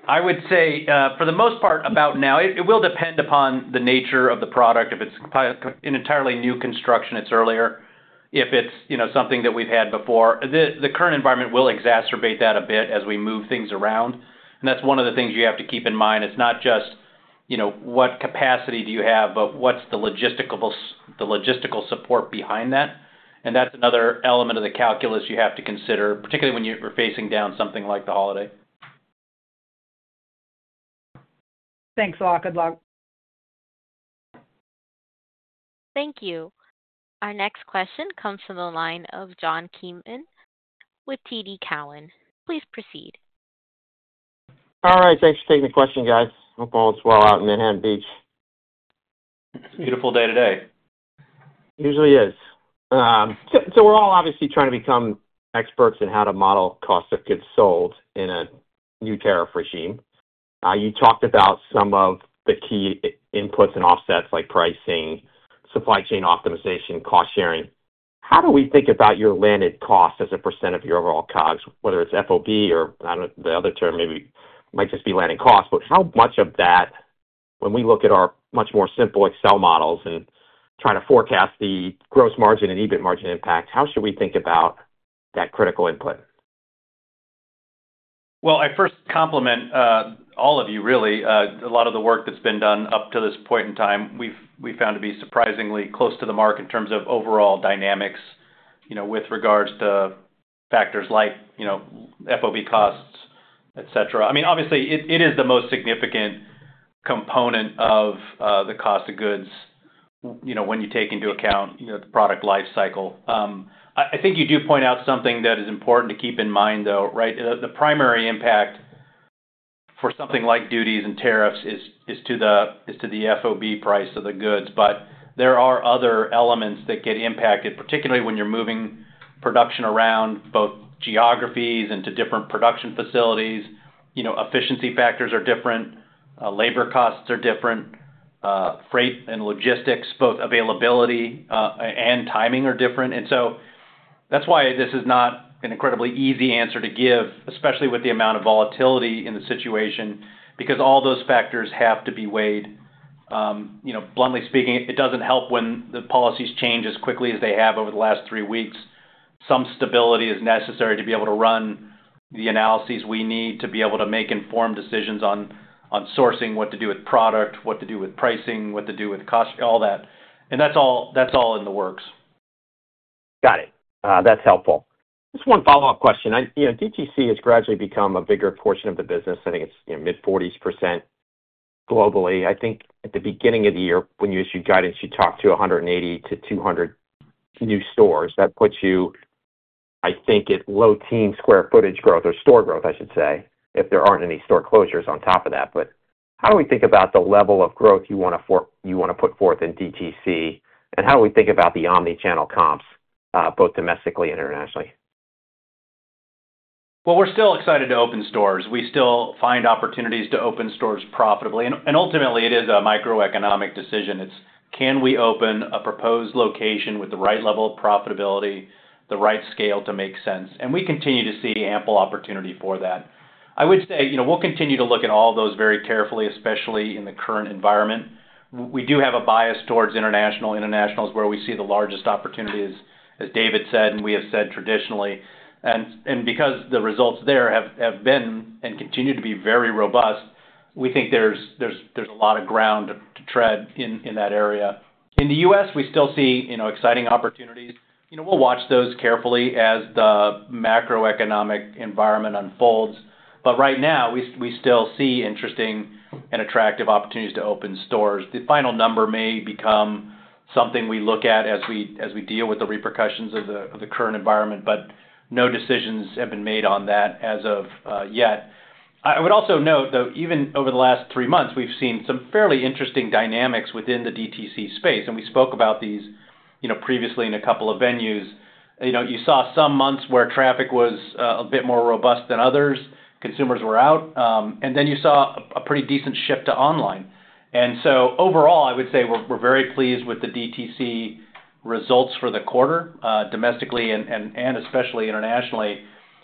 I would say, for the most part, about now. It will depend upon the nature of the product. If it's an entirely new construction, it's earlier. If it's something that we've had before, the current environment will exacerbate that a bit as we move things around. That is one of the things you have to keep in mind. It's not just what capacity do you have, but what's the logistical support behind that? That is another element of the calculus you have to consider, particularly when you're facing down something like the holiday. Thanks a lot. Good luck. Thank you. Our next question comes from the line of John Kernan with TD Cowen. Please proceed. All right. Thanks for taking the question, guys. Hope all is well out in Manhattan Beach. It's a beautiful day today. It usually is. We are all obviously trying to become experts in how to model cost of goods sold in a new tariff regime. You talked about some of the key inputs and offsets like pricing, supply chain optimization, cost sharing. How do we think about your landed cost as a percent of your overall COGS, whether it is FOB or the other term maybe might just be landed cost? How much of that, when we look at our much more simple Excel models and try to forecast the gross margin and EBIT margin impact, how should we think about that critical input? I first compliment all of you, really. A lot of the work that's been done up to this point in time, we found to be surprisingly close to the mark in terms of overall dynamics with regards to factors like FOB costs, etc. I mean, obviously, it is the most significant component of the cost of goods when you take into account the product lifecycle. I think you do point out something that is important to keep in mind, though, right? The primary impact for something like duties and tariffs is to the FOB price of the goods. There are other elements that get impacted, particularly when you're moving production around both geographies and to different production facilities. Efficiency factors are different. Labor costs are different. Freight and logistics, both availability and timing, are different. That is why this is not an incredibly easy answer to give, especially with the amount of volatility in the situation, because all those factors have to be weighed. Bluntly speaking, it does not help when the policies change as quickly as they have over the last three weeks. Some stability is necessary to be able to run the analyses we need to be able to make informed decisions on sourcing, what to do with product, what to do with pricing, what to do with cost, all that. That is all in the works. Got it. That's helpful. Just one follow-up question. DTC has gradually become a bigger portion of the business. I think it's mid-40s % globally. I think at the beginning of the year, when you issue guidance, you talk to 180-200 new stores. That puts you, I think, at low teen square footage growth or store growth, I should say, if there aren't any store closures on top of that. How do we think about the level of growth you want to put forth in DTC? How do we think about the omnichannel comps, both domestically and internationally? We're still excited to open stores. We still find opportunities to open stores profitably. Ultimately, it is a microeconomic decision. It's, can we open a proposed location with the right level of profitability, the right scale to make sense? We continue to see ample opportunity for that. I would say we'll continue to look at all those very carefully, especially in the current environment. We do have a bias towards international, international is where we see the largest opportunities, as David said, and we have said traditionally. Because the results there have been and continue to be very robust, we think there's a lot of ground to tread in that area. In the U.S., we still see exciting opportunities. We'll watch those carefully as the macroeconomic environment unfolds. Right now, we still see interesting and attractive opportunities to open stores. The final number may become something we look at as we deal with the repercussions of the current environment, but no decisions have been made on that as of yet. I would also note, though, even over the last three months, we've seen some fairly interesting dynamics within the DTC space. We spoke about these previously in a couple of venues. You saw some months where traffic was a bit more robust than others. Consumers were out. You saw a pretty decent shift to online. Overall, I would say we're very pleased with the DTC results for the quarter, domestically and especially internationally.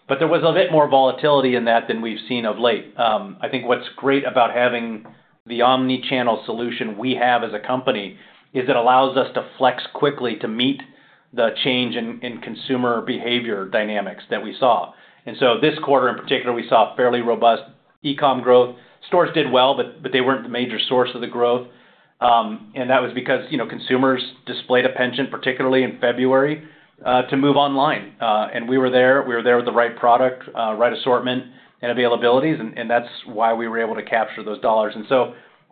There was a bit more volatility in that than we've seen of late. I think what's great about having the omnichannel solution we have as a company is it allows us to flex quickly to meet the change in consumer behavior dynamics that we saw. This quarter, in particular, we saw fairly robust e-com growth. Stores did well, but they weren't the major source of the growth. That was because consumers displayed a penchant, particularly in February, to move online. We were there. We were there with the right product, right assortment, and availabilities. That's why we were able to capture those dollars.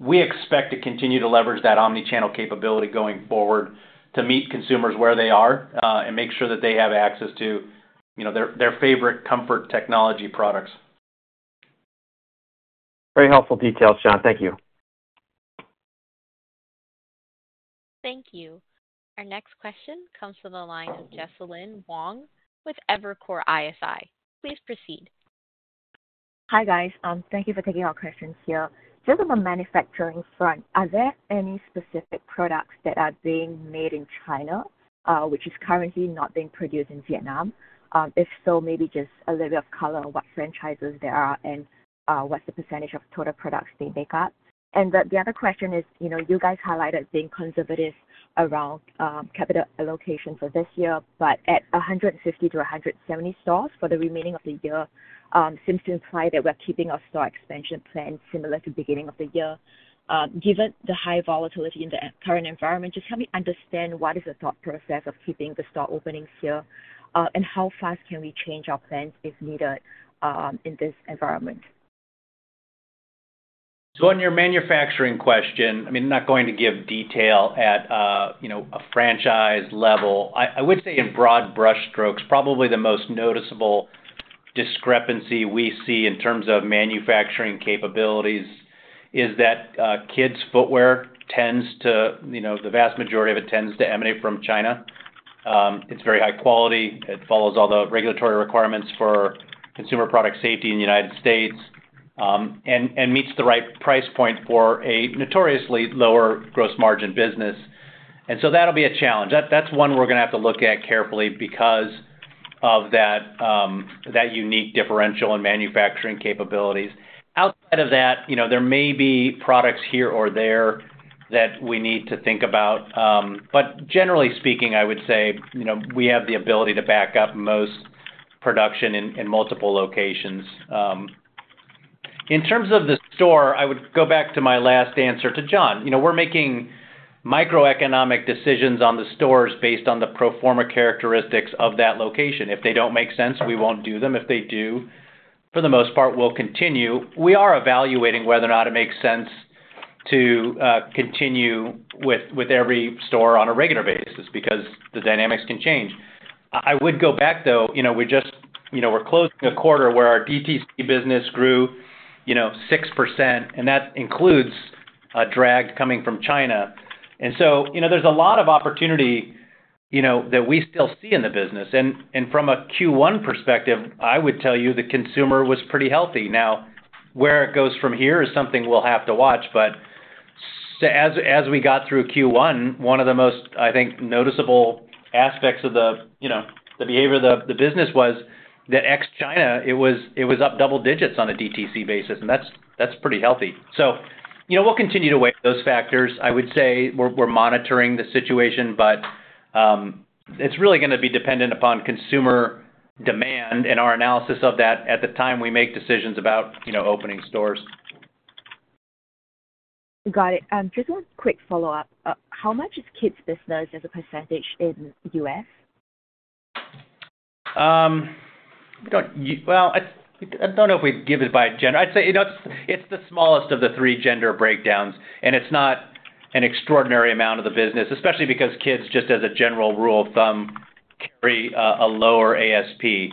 We expect to continue to leverage that omnichannel capability going forward to meet consumers where they are and make sure that they have access to their favorite comfort technology products. Very helpful details, John. Thank you. Thank you. Our next question comes from the line of Jesalyn Wong with Evercore ISI. Please proceed. Hi guys. Thank you for taking our questions here. Just on the manufacturing front, are there any specific products that are being made in China, which is currently not being produced in Vietnam? If so, maybe just a little bit of color on what franchises there are and what's the percentage of total products they make up? The other question is you guys highlighted being conservative around capital allocation for this year, but at 150-170 stores for the remaining of the year seems to imply that we're keeping our store expansion plan similar to the beginning of the year. Given the high volatility in the current environment, just help me understand what is the thought process of keeping the store opening here and how fast can we change our plans if needed in this environment? On your manufacturing question, I mean, I'm not going to give detail at a franchise level. I would say in broad brush strokes, probably the most noticeable discrepancy we see in terms of manufacturing capabilities is that kids' footwear, the vast majority of it tends to emanate from China. It's very high quality. It follows all the regulatory requirements for consumer product safety in the United States and meets the right price point for a notoriously lower gross margin business. That will be a challenge. That's one we're going to have to look at carefully because of that unique differential in manufacturing capabilities. Outside of that, there may be products here or there that we need to think about. Generally speaking, I would say we have the ability to back up most production in multiple locations. In terms of the store, I would go back to my last answer to John. We're making microeconomic decisions on the stores based on the pro forma characteristics of that location. If they don't make sense, we won't do them. If they do, for the most part, we'll continue. We are evaluating whether or not it makes sense to continue with every store on a regular basis because the dynamics can change. I would go back, though. We're closing a quarter where our DTC business grew 6%, and that includes a drag coming from China. There is a lot of opportunity that we still see in the business. From a Q1 perspective, I would tell you the consumer was pretty healthy. Now, where it goes from here is something we'll have to watch. As we got through Q1, one of the most, I think, noticeable aspects of the behavior of the business was that ex-China, it was up double digits on a DTC basis, and that's pretty healthy. We'll continue to weigh those factors. I would say we're monitoring the situation, but it's really going to be dependent upon consumer demand and our analysis of that at the time we make decisions about opening stores. Got it. Just one quick follow-up. How much is kids' business as a percentage in the U.S.? I do not know if we'd give it by gender. I'd say it's the smallest of the three gender breakdowns, and it's not an extraordinary amount of the business, especially because kids, just as a general rule of thumb, carry a lower ASP.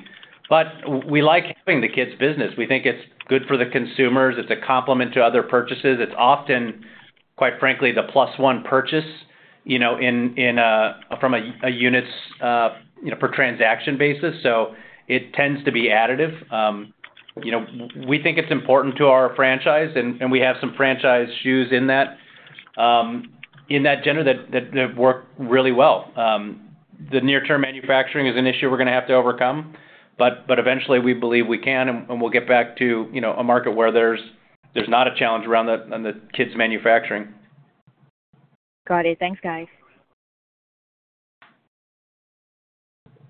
We like having the kids' business. We think it's good for the consumers. It's a complement to other purchases. It's often, quite frankly, the plus one purchase from a unit per transaction basis. It tends to be additive. We think it's important to our franchise, and we have some franchise shoes in that gender that work really well. The near-term manufacturing is an issue we're going to have to overcome, but eventually, we believe we can, and we'll get back to a market where there's not a challenge around the kids' manufacturing. Got it. Thanks, guys.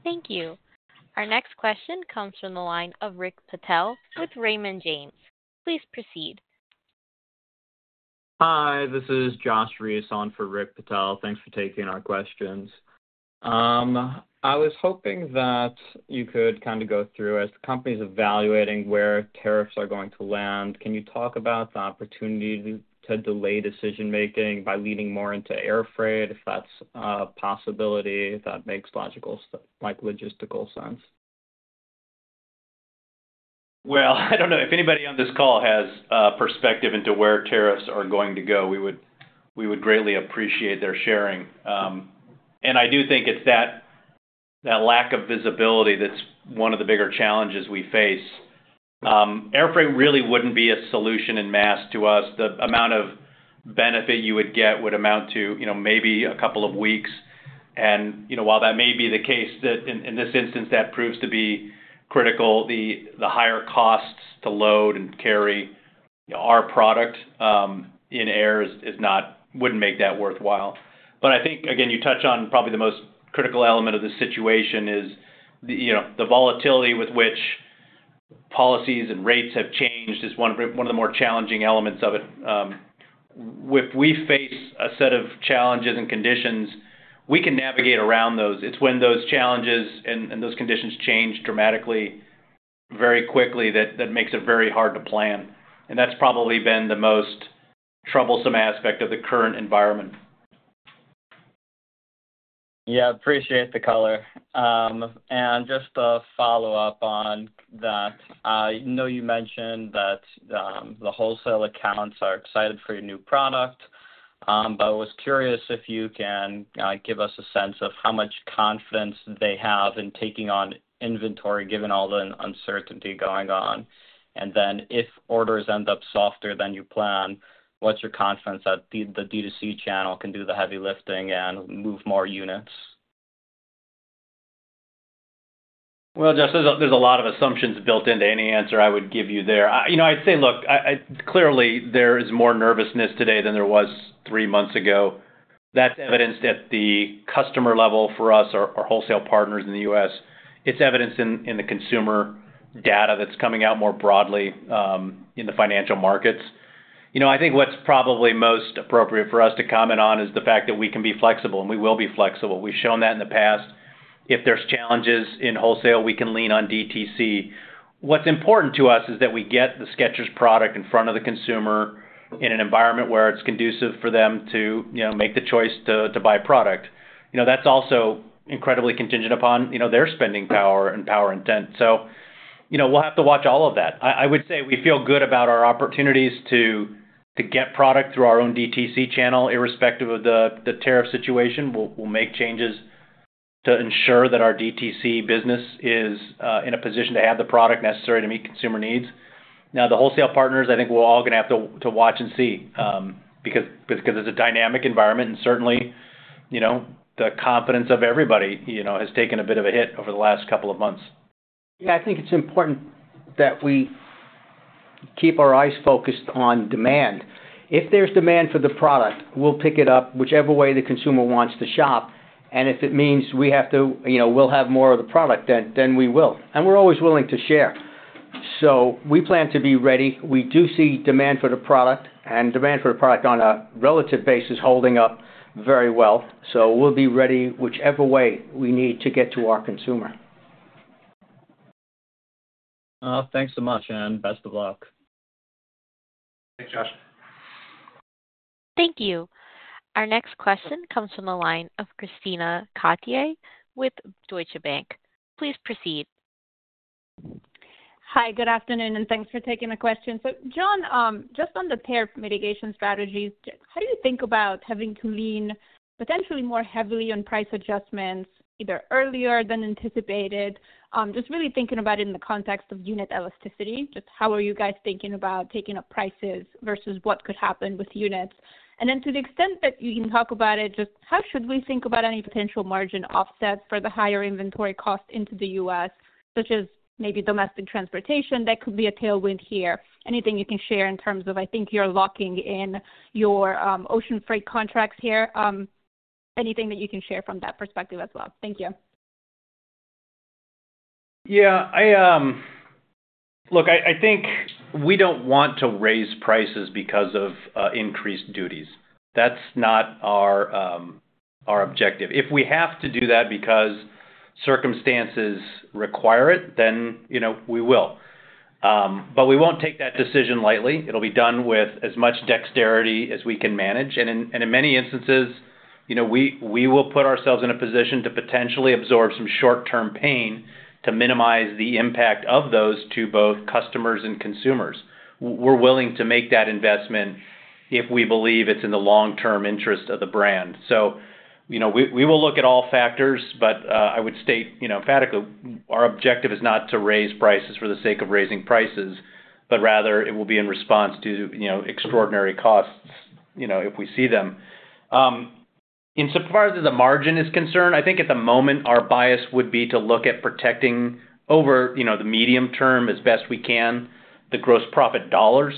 Thank you. Our next question comes from the line of Rick Patel with Raymond James. Please proceed. Hi, this is Josh Reiss for Rick Patel. Thanks for taking our questions. I was hoping that you could kind of go through as the company's evaluating where tariffs are going to land. Can you talk about the opportunity to delay decision-making by leaning more into air freight, if that's a possibility, if that makes logical logistical sense? I don't know. If anybody on this call has a perspective into where tariffs are going to go, we would greatly appreciate their sharing. I do think it's that lack of visibility that's one of the bigger challenges we face. Air freight really wouldn't be a solution in mass to us. The amount of benefit you would get would amount to maybe a couple of weeks. While that may be the case, in this instance, that proves to be critical, the higher costs to load and carry our product in air wouldn't make that worthwhile. I think, again, you touch on probably the most critical element of the situation. The volatility with which policies and rates have changed is one of the more challenging elements of it. If we face a set of challenges and conditions, we can navigate around those. It's when those challenges and those conditions change dramatically very quickly that makes it very hard to plan. That is probably been the most troublesome aspect of the current environment. Yeah. Appreciate the color. Just a follow-up on that. I know you mentioned that the wholesale accounts are excited for your new product, but I was curious if you can give us a sense of how much confidence they have in taking on inventory given all the uncertainty going on. If orders end up softer than you plan, what's your confidence that the DTC channel can do the heavy lifting and move more units? Josh, there's a lot of assumptions built into any answer I would give you there. I'd say, look, clearly, there is more nervousness today than there was three months ago. That's evidenced at the customer level for us, our wholesale partners in the U.S. It's evidenced in the consumer data that's coming out more broadly in the financial markets. I think what's probably most appropriate for us to comment on is the fact that we can be flexible, and we will be flexible. We've shown that in the past. If there's challenges in wholesale, we can lean on DTC. What's important to us is that we get the Skechers product in front of the consumer in an environment where it's conducive for them to make the choice to buy product. That's also incredibly contingent upon their spending power and power intent. We'll have to watch all of that. I would say we feel good about our opportunities to get product through our own DTC channel, irrespective of the tariff situation. We'll make changes to ensure that our DTC business is in a position to have the product necessary to meet consumer needs. Now, the wholesale partners, I think we're all going to have to watch and see because it's a dynamic environment. Certainly, the confidence of everybody has taken a bit of a hit over the last couple of months. Yeah. I think it's important that we keep our eyes focused on demand. If there's demand for the product, we'll pick it up whichever way the consumer wants to shop. If it means we have to, we'll have more of the product, then we will. We're always willing to share. We plan to be ready. We do see demand for the product and demand for the product on a relative basis holding up very well. We'll be ready whichever way we need to get to our consumer. Thanks so much, and best of luck. Thanks, Josh. Thank you. Our next question comes from the line of Krisztina Katai with Deutsche Bank. Please proceed. Hi, good afternoon, and thanks for taking the question. John, just on the payer mitigation strategies, how do you think about having to lean potentially more heavily on price adjustments either earlier than anticipated? Just really thinking about it in the context of unit elasticity, just how are you guys thinking about taking up prices versus what could happen with units? To the extent that you can talk about it, just how should we think about any potential margin offset for the higher inventory cost into the U.S., such as maybe domestic transportation? That could be a tailwind here. Anything you can share in terms of, I think you're locking in your ocean freight contracts here. Anything that you can share from that perspective as well? Thank you. Yeah. Look, I think we don't want to raise prices because of increased duties. That's not our objective. If we have to do that because circumstances require it, then we will. We won't take that decision lightly. It'll be done with as much dexterity as we can manage. In many instances, we will put ourselves in a position to potentially absorb some short-term pain to minimize the impact of those to both customers and consumers. We're willing to make that investment if we believe it's in the long-term interest of the brand. We will look at all factors, but I would state emphatically our objective is not to raise prices for the sake of raising prices, but rather it will be in response to extraordinary costs if we see them. Insofar as the margin is concerned, I think at the moment our bias would be to look at protecting over the medium term as best we can the gross profit dollars,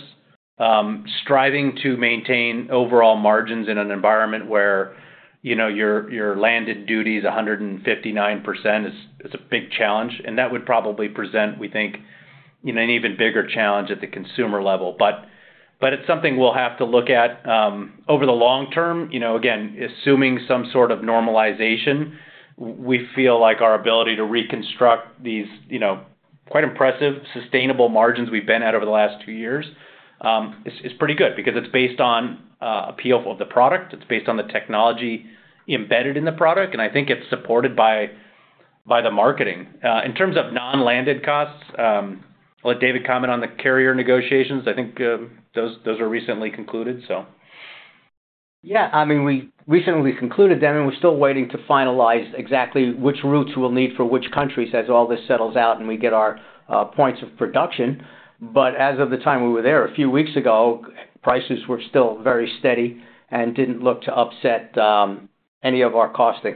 striving to maintain overall margins in an environment where your landed duties 159% is a big challenge. That would probably present, we think, an even bigger challenge at the consumer level. It is something we will have to look at over the long term. Again, assuming some sort of normalization, we feel like our ability to reconstruct these quite impressive sustainable margins we have been at over the last two years is pretty good because it is based on appeal of the product. It is based on the technology embedded in the product, and I think it is supported by the marketing. In terms of non-landed costs, let David comment on the carrier negotiations. I think those were recently concluded. Yeah. I mean, we recently concluded them, and we're still waiting to finalize exactly which routes we'll need for which countries as all this settles out and we get our points of production. As of the time we were there a few weeks ago, prices were still very steady and did not look to upset any of our costing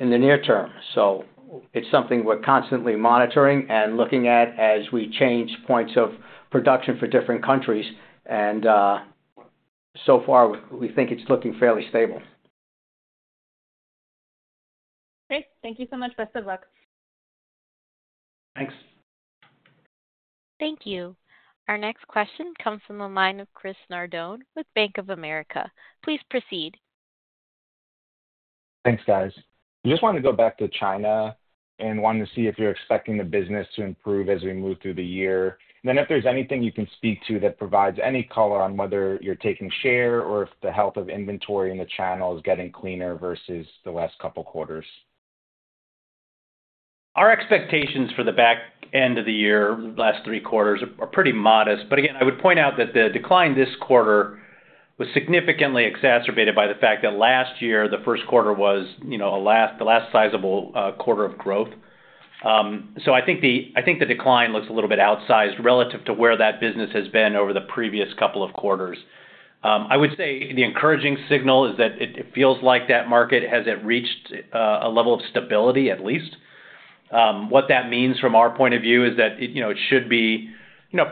in the near term. It is something we're constantly monitoring and looking at as we change points of production for different countries. So far, we think it's looking fairly stable. Great. Thank you so much. Best of luck. Thanks. Thank you. Our next question comes from the line of Chris Nardone with Bank of America. Please proceed. Thanks, guys. I just wanted to go back to China and wanted to see if you're expecting the business to improve as we move through the year. If there's anything you can speak to that provides any color on whether you're taking share or if the health of inventory in the channel is getting cleaner versus the last couple of quarters. Our expectations for the back end of the year, last three quarters, are pretty modest. Again, I would point out that the decline this quarter was significantly exacerbated by the fact that last year, the first quarter was the last sizable quarter of growth. I think the decline looks a little bit outsized relative to where that business has been over the previous couple of quarters. I would say the encouraging signal is that it feels like that market has reached a level of stability, at least. What that means from our point of view is that it should be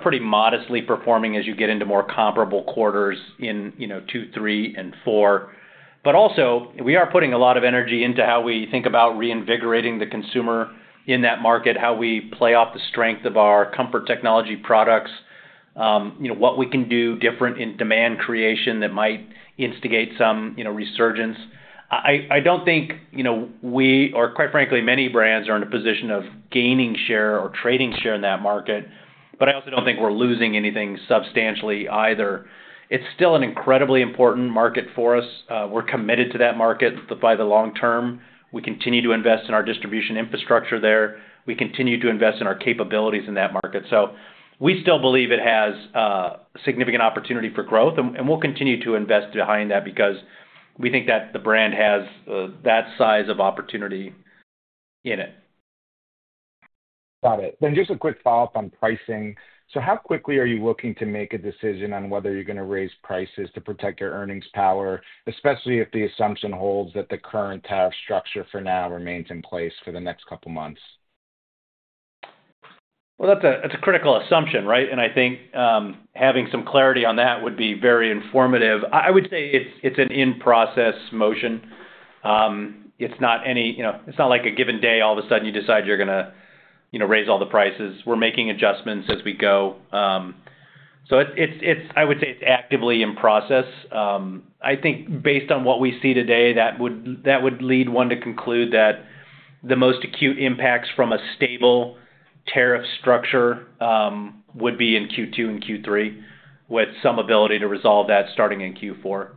pretty modestly performing as you get into more comparable quarters in two, three, and four. We are putting a lot of energy into how we think about reinvigorating the consumer in that market, how we play off the strength of our comfort technology products, what we can do different in demand creation that might instigate some resurgence. I do not think we, or quite frankly, many brands are in a position of gaining share or trading share in that market, but I also do not think we are losing anything substantially either. It is still an incredibly important market for us. We are committed to that market by the long term. We continue to invest in our distribution infrastructure there. We continue to invest in our capabilities in that market. We still believe it has significant opportunity for growth, and we will continue to invest behind that because we think that the brand has that size of opportunity in it. Got it. Just a quick follow-up on pricing. How quickly are you looking to make a decision on whether you're going to raise prices to protect your earnings power, especially if the assumption holds that the current tariff structure for now remains in place for the next couple of months? That is a critical assumption, right? I think having some clarity on that would be very informative. I would say it is an in-process motion. It is not like a given day, all of a sudden, you decide you are going to raise all the prices. We are making adjustments as we go. I would say it is actively in process. I think based on what we see today, that would lead one to conclude that the most acute impacts from a stable tariff structure would be in Q2 and Q3 with some ability to resolve that starting in Q4.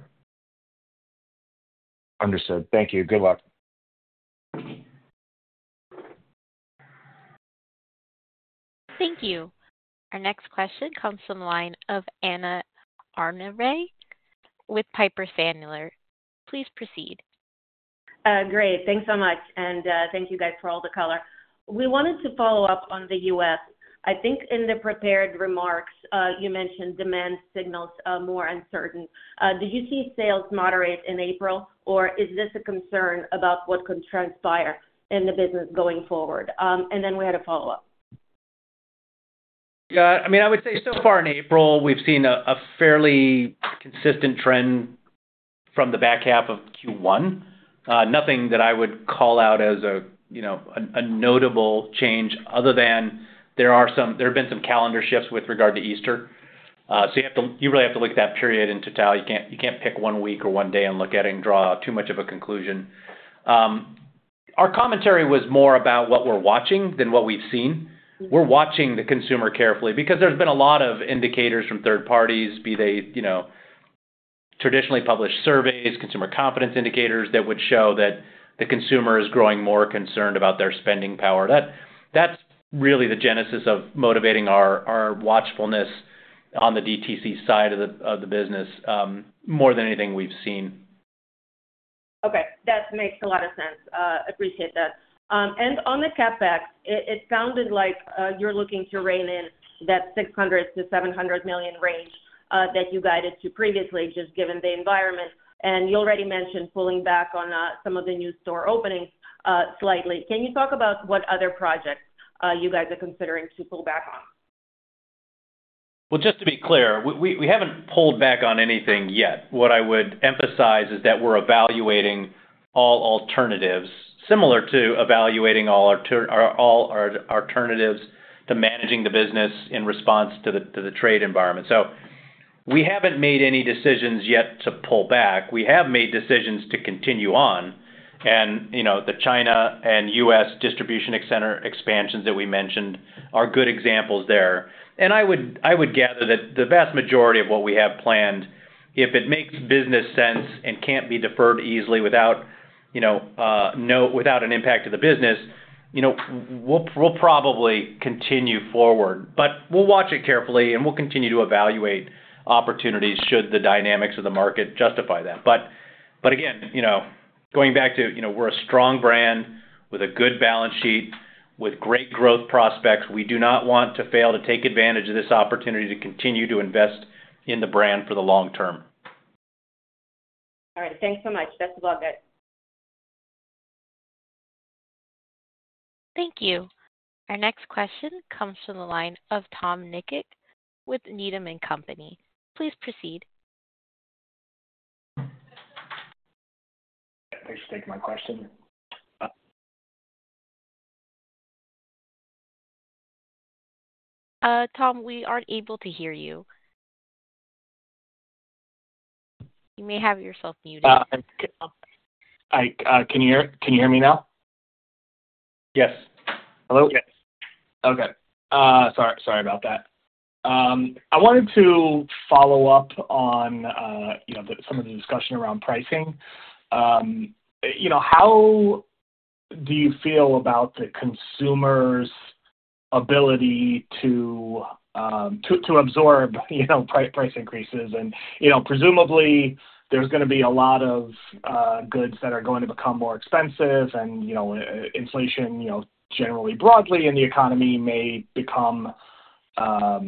Understood. Thank you. Good luck. Thank you. Our next question comes from the line of Anna Andreeva with Piper Sandler. Please proceed. Great. Thanks so much. Thank you guys for all the color. We wanted to follow up on the U.S. I think in the prepared remarks, you mentioned demand signals are more uncertain. Did you see sales moderate in April, or is this a concern about what could transpire in the business going forward? We had a follow-up. Yeah. I mean, I would say so far in April, we've seen a fairly consistent trend from the back half of Q1. Nothing that I would call out as a notable change other than there have been some calendar shifts with regard to Easter. You really have to look at that period in total. You can't pick one week or one day and look at it and draw too much of a conclusion. Our commentary was more about what we're watching than what we've seen. We're watching the consumer carefully because there's been a lot of indicators from third parties, be they traditionally published surveys, consumer confidence indicators that would show that the consumer is growing more concerned about their spending power. That's really the genesis of motivating our watchfulness on the DTC side of the business more than anything we've seen. Okay. That makes a lot of sense. Appreciate that. On the CapEx, it sounded like you're looking to rein in that $600-$700 million range that you guided to previously, just given the environment. You already mentioned pulling back on some of the new store openings slightly. Can you talk about what other projects you guys are considering to pull back on? Just to be clear, we have not pulled back on anything yet. What I would emphasize is that we are evaluating all alternatives, similar to evaluating all alternatives to managing the business in response to the trade environment. We have not made any decisions yet to pull back. We have made decisions to continue on. The China and U.S. distribution expansions that we mentioned are good examples there. I would gather that the vast majority of what we have planned, if it makes business sense and cannot be deferred easily without an impact to the business, we will probably continue forward. We will watch it carefully, and we will continue to evaluate opportunities should the dynamics of the market justify that. Again, going back to we are a strong brand with a good balance sheet, with great growth prospects. We do not want to fail to take advantage of this opportunity to continue to invest in the brand for the long term. All right. Thanks so much. Best of luck. Thank you. Our next question comes from the line of Tom Nikic with Needham & Company. Please proceed. Thanks for taking my question. Tom, we aren't able to hear you. You may have yourself muted. Can you hear me now? Yes. Hello? Yes. Okay. Sorry about that. I wanted to follow up on some of the discussion around pricing. How do you feel about the consumer's ability to absorb price increases? Presumably, there's going to be a lot of goods that are going to become more expensive, and inflation generally broadly in the economy may become a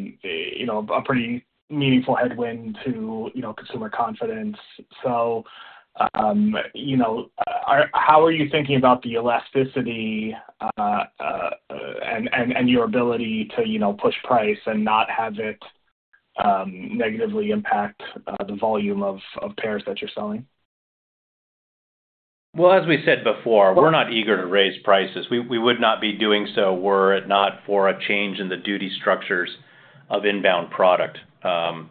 pretty meaningful headwind to consumer confidence. How are you thinking about the elasticity and your ability to push price and not have it negatively impact the volume of pairs that you're selling? As we said before, we're not eager to raise prices. We would not be doing so were it not for a change in the duty structures of inbound product. On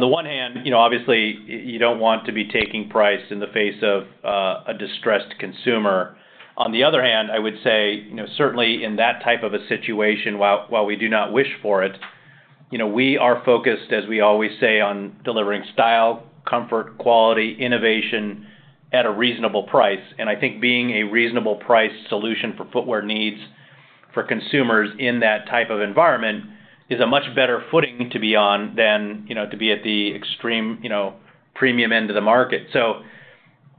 the one hand, obviously, you do not want to be taking price in the face of a distressed consumer. On the other hand, I would say, certainly in that type of a situation, while we do not wish for it, we are focused, as we always say, on delivering style, comfort, quality, innovation at a reasonable price. I think being a reasonable price solution for footwear needs for consumers in that type of environment is a much better footing to be on than to be at the extreme premium end of the market.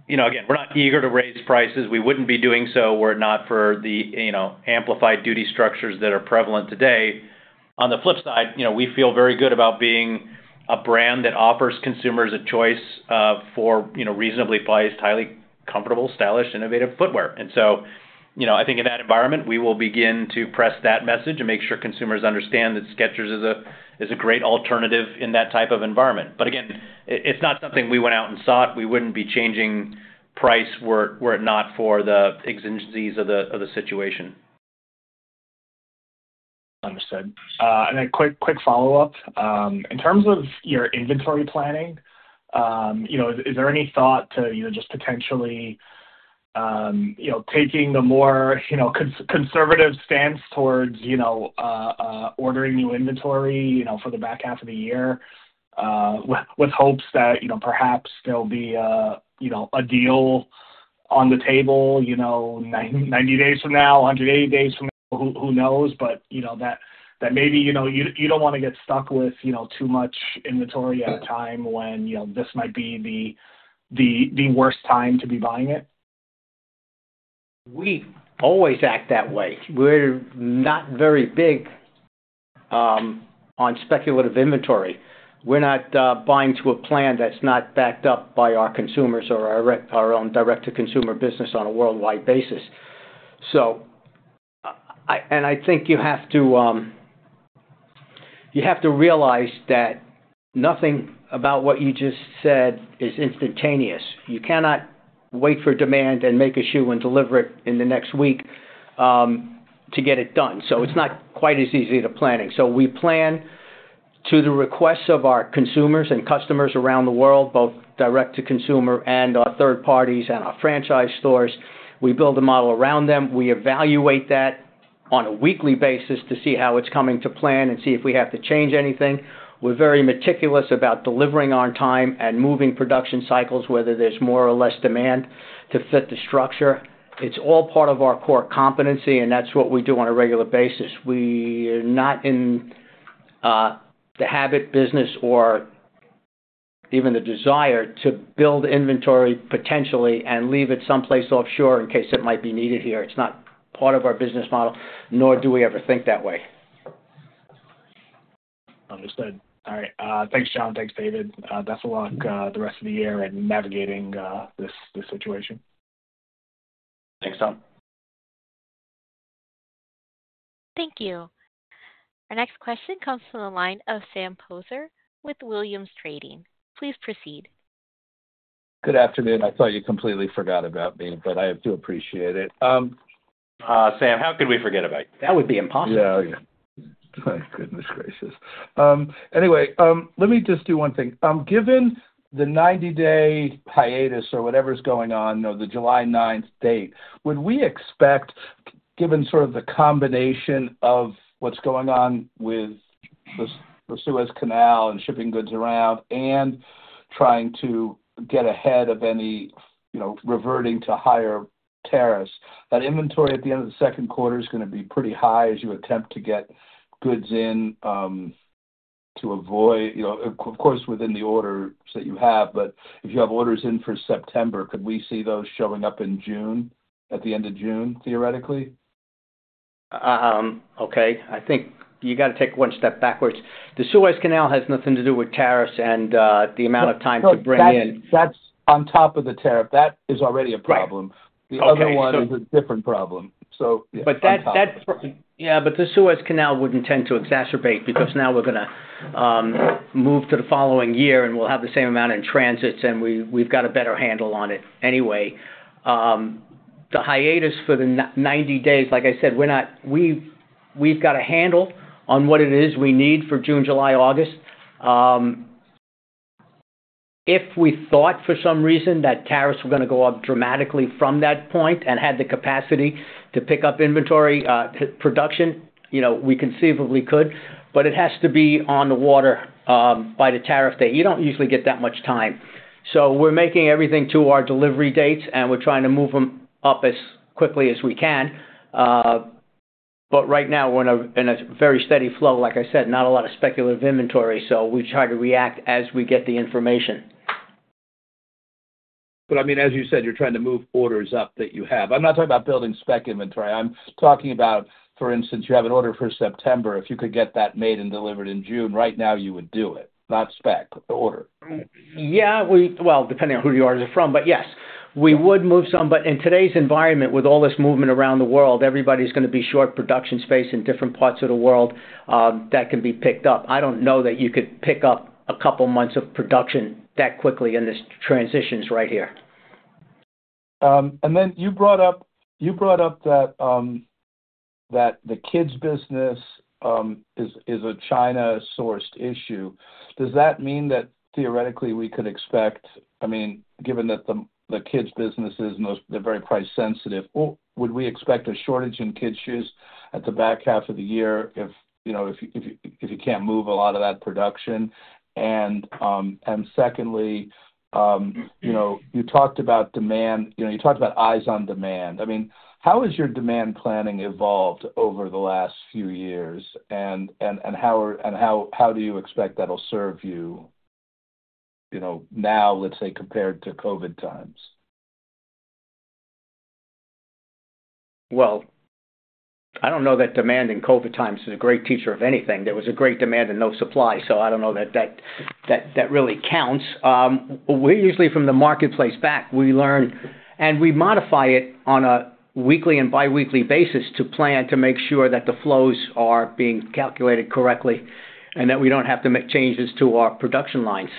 Again, we're not eager to raise prices. We would not be doing so were it not for the amplified duty structures that are prevalent today. On the flip side, we feel very good about being a brand that offers consumers a choice for reasonably priced, highly comfortable, stylish, innovative footwear. I think in that environment, we will begin to press that message and make sure consumers understand that Skechers is a great alternative in that type of environment. Again, it's not something we went out and sought. We wouldn't be changing price were it not for the exigencies of the situation. Understood. Quick follow-up. In terms of your inventory planning, is there any thought to just potentially taking the more conservative stance towards ordering new inventory for the back half of the year with hopes that perhaps there'll be a deal on the table 90 days from now, 180 days from now? Who knows? That maybe you don't want to get stuck with too much inventory at a time when this might be the worst time to be buying it. We always act that way. We're not very big on speculative inventory. We're not buying to a plan that's not backed up by our consumers or our own direct-to-consumer business on a worldwide basis. I think you have to realize that nothing about what you just said is instantaneous. You cannot wait for demand and make a shoe and deliver it in the next week to get it done. It's not quite as easy to plan. We plan to the requests of our consumers and customers around the world, both direct-to-consumer and our third parties and our franchise stores. We build a model around them. We evaluate that on a weekly basis to see how it's coming to plan and see if we have to change anything. We're very meticulous about delivering on time and moving production cycles, whether there's more or less demand to fit the structure. It's all part of our core competency, and that's what we do on a regular basis. We are not in the habit business or even the desire to build inventory potentially and leave it someplace offshore in case it might be needed here. It's not part of our business model, nor do we ever think that way. Understood. All right. Thanks, John. Thanks, David. Best of luck the rest of the year in navigating this situation. Thanks, Tom. Thank you. Our next question comes from the line of Sam Poser with Williams Trading. Please proceed. Good afternoon. I thought you completely forgot about me, but I do appreciate it. Sam, how could we forget about you? That would be impossible. Yeah. My goodness gracious. Anyway, let me just do one thing. Given the 90-day hiatus or whatever's going on, the July 9th date, would we expect, given sort of the combination of what's going on with the Suez Canal and shipping goods around and trying to get ahead of any reverting to higher tariffs, that inventory at the end of the second quarter is going to be pretty high as you attempt to get goods in to avoid, of course, within the orders that you have. If you have orders in for September, could we see those showing up in June, at the end of June, theoretically? Okay. I think you got to take one step backwards. The Suez Canal has nothing to do with tariffs and the amount of time to bring in. That's on top of the tariff. That is already a problem. The other one is a different problem. That's yeah, but the Suez Canal wouldn't tend to exacerbate because now we're going to move to the following year, and we'll have the same amount in transits, and we've got a better handle on it anyway. The hiatus for the 90 days, like I said, we've got a handle on what it is we need for June, July, August. If we thought for some reason that tariffs were going to go up dramatically from that point and had the capacity to pick up inventory production, we conceivably could. It has to be on the water by the tariff date. You don't usually get that much time. We're making everything to our delivery dates, and we're trying to move them up as quickly as we can. Right now, we're in a very steady flow. Like I said, not a lot of speculative inventory, so we try to react as we get the information. I mean, as you said, you're trying to move orders up that you have. I'm not talking about building spec inventory. I'm talking about, for instance, you have an order for September. If you could get that made and delivered in June, right now, you would do it, not spec order. Yeah. Depending on who you order from, but yes, we would move some. In today's environment, with all this movement around the world, everybody's going to be short production space in different parts of the world that can be picked up. I do not know that you could pick up a couple of months of production that quickly in this transitions right here. You brought up that the kids' business is a China-sourced issue. Does that mean that theoretically we could expect, I mean, given that the kids' businesses are very price-sensitive, would we expect a shortage in kids' shoes at the back half of the year if you can't move a lot of that production? Secondly, you talked about demand. You talked about eyes on demand. I mean, how has your demand planning evolved over the last few years, and how do you expect that'll serve you now, let's say, compared to COVID times? I don't know that demand in COVID times is a great teacher of anything. There was a great demand and no supply, so I don't know that that really counts. We're usually from the marketplace back. We learn, and we modify it on a weekly and biweekly basis to plan to make sure that the flows are being calculated correctly and that we don't have to make changes to our production line.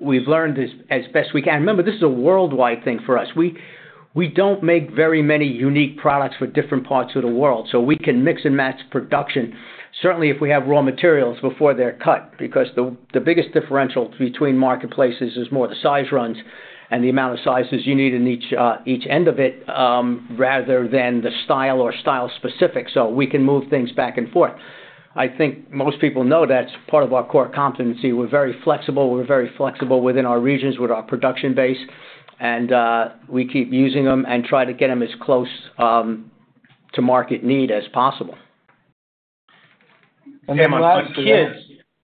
We have learned as best we can. Remember, this is a worldwide thing for us. We don't make very many unique products for different parts of the world, so we can mix and match production, certainly if we have raw materials before they're cut, because the biggest differential between marketplaces is more the size runs and the amount of sizes you need in each end of it rather than the style or style-specific. We can move things back and forth. I think most people know that's part of our core competency. We're very flexible. We're very flexible within our regions with our production base, and we keep using them and try to get them as close to market need as possible. On the lines of that.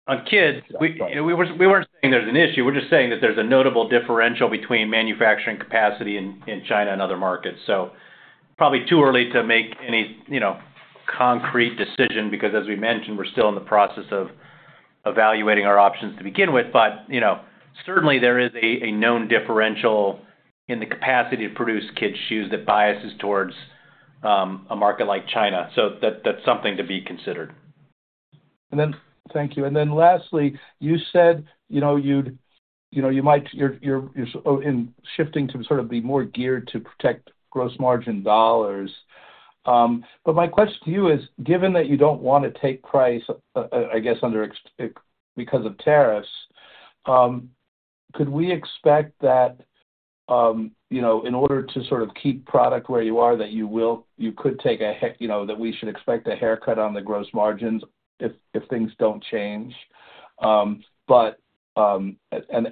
On kids, we were not saying there is an issue. We are just saying that there is a notable differential between manufacturing capacity in China and other markets. Probably too early to make any concrete decision because, as we mentioned, we are still in the process of evaluating our options to begin with. Certainly, there is a known differential in the capacity to produce kids' shoes that biases towards a market like China. That is something to be considered. Thank you. Lastly, you said you might be shifting to sort of be more geared to protect gross margin dollars. My question to you is, given that you do not want to take price, I guess, because of tariffs, could we expect that in order to sort of keep product where you are, that you could take a that we should expect a haircut on the gross margins if things do not change?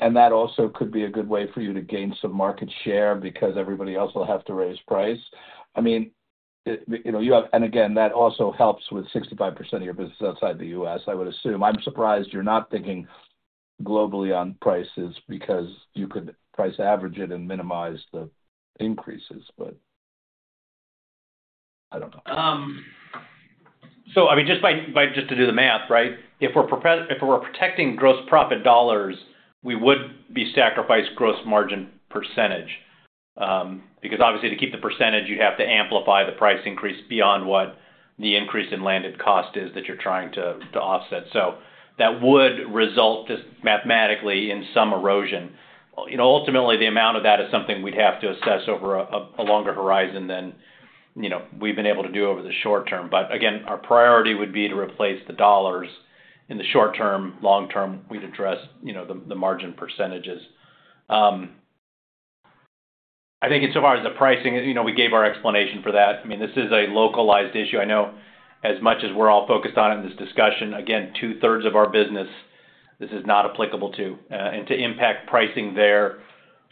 That also could be a good way for you to gain some market share because everybody else will have to raise price. I mean, you have and again, that also helps with 65% of your business outside the U.S., I would assume. I am surprised you are not thinking globally on prices because you could price average it and minimize the increases, but I do not know. I mean, just by just to do the math, right, if we're protecting gross profit dollars, we would be sacrificing gross margin percentage because, obviously, to keep the percentage, you'd have to amplify the price increase beyond what the increase in landed cost is that you're trying to offset. That would result just mathematically in some erosion. Ultimately, the amount of that is something we'd have to assess over a longer horizon than we've been able to do over the short term. Again, our priority would be to replace the dollars in the short term. Long term, we'd address the margin percentages. I think insofar as the pricing, we gave our explanation for that. I mean, this is a localized issue. I know as much as we're all focused on it in this discussion, again, two-thirds of our business, this is not applicable to. To impact pricing there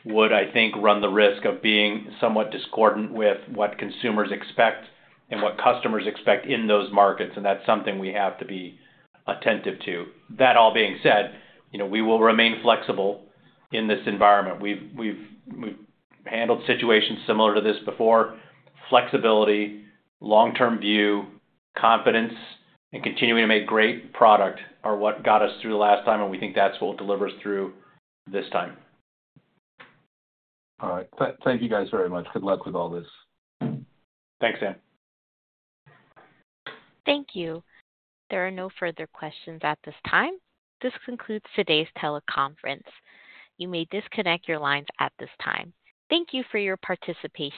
would, I think, run the risk of being somewhat discordant with what consumers expect and what customers expect in those markets. That is something we have to be attentive to. That all being said, we will remain flexible in this environment. We have handled situations similar to this before. Flexibility, long-term view, confidence, and continuing to make great product are what got us through the last time, and we think that is what will deliver us through this time. All right. Thank you guys very much. Good luck with all this. Thanks, Sam. Thank you. There are no further questions at this time. This concludes today's teleconference. You may disconnect your lines at this time. Thank you for your participation.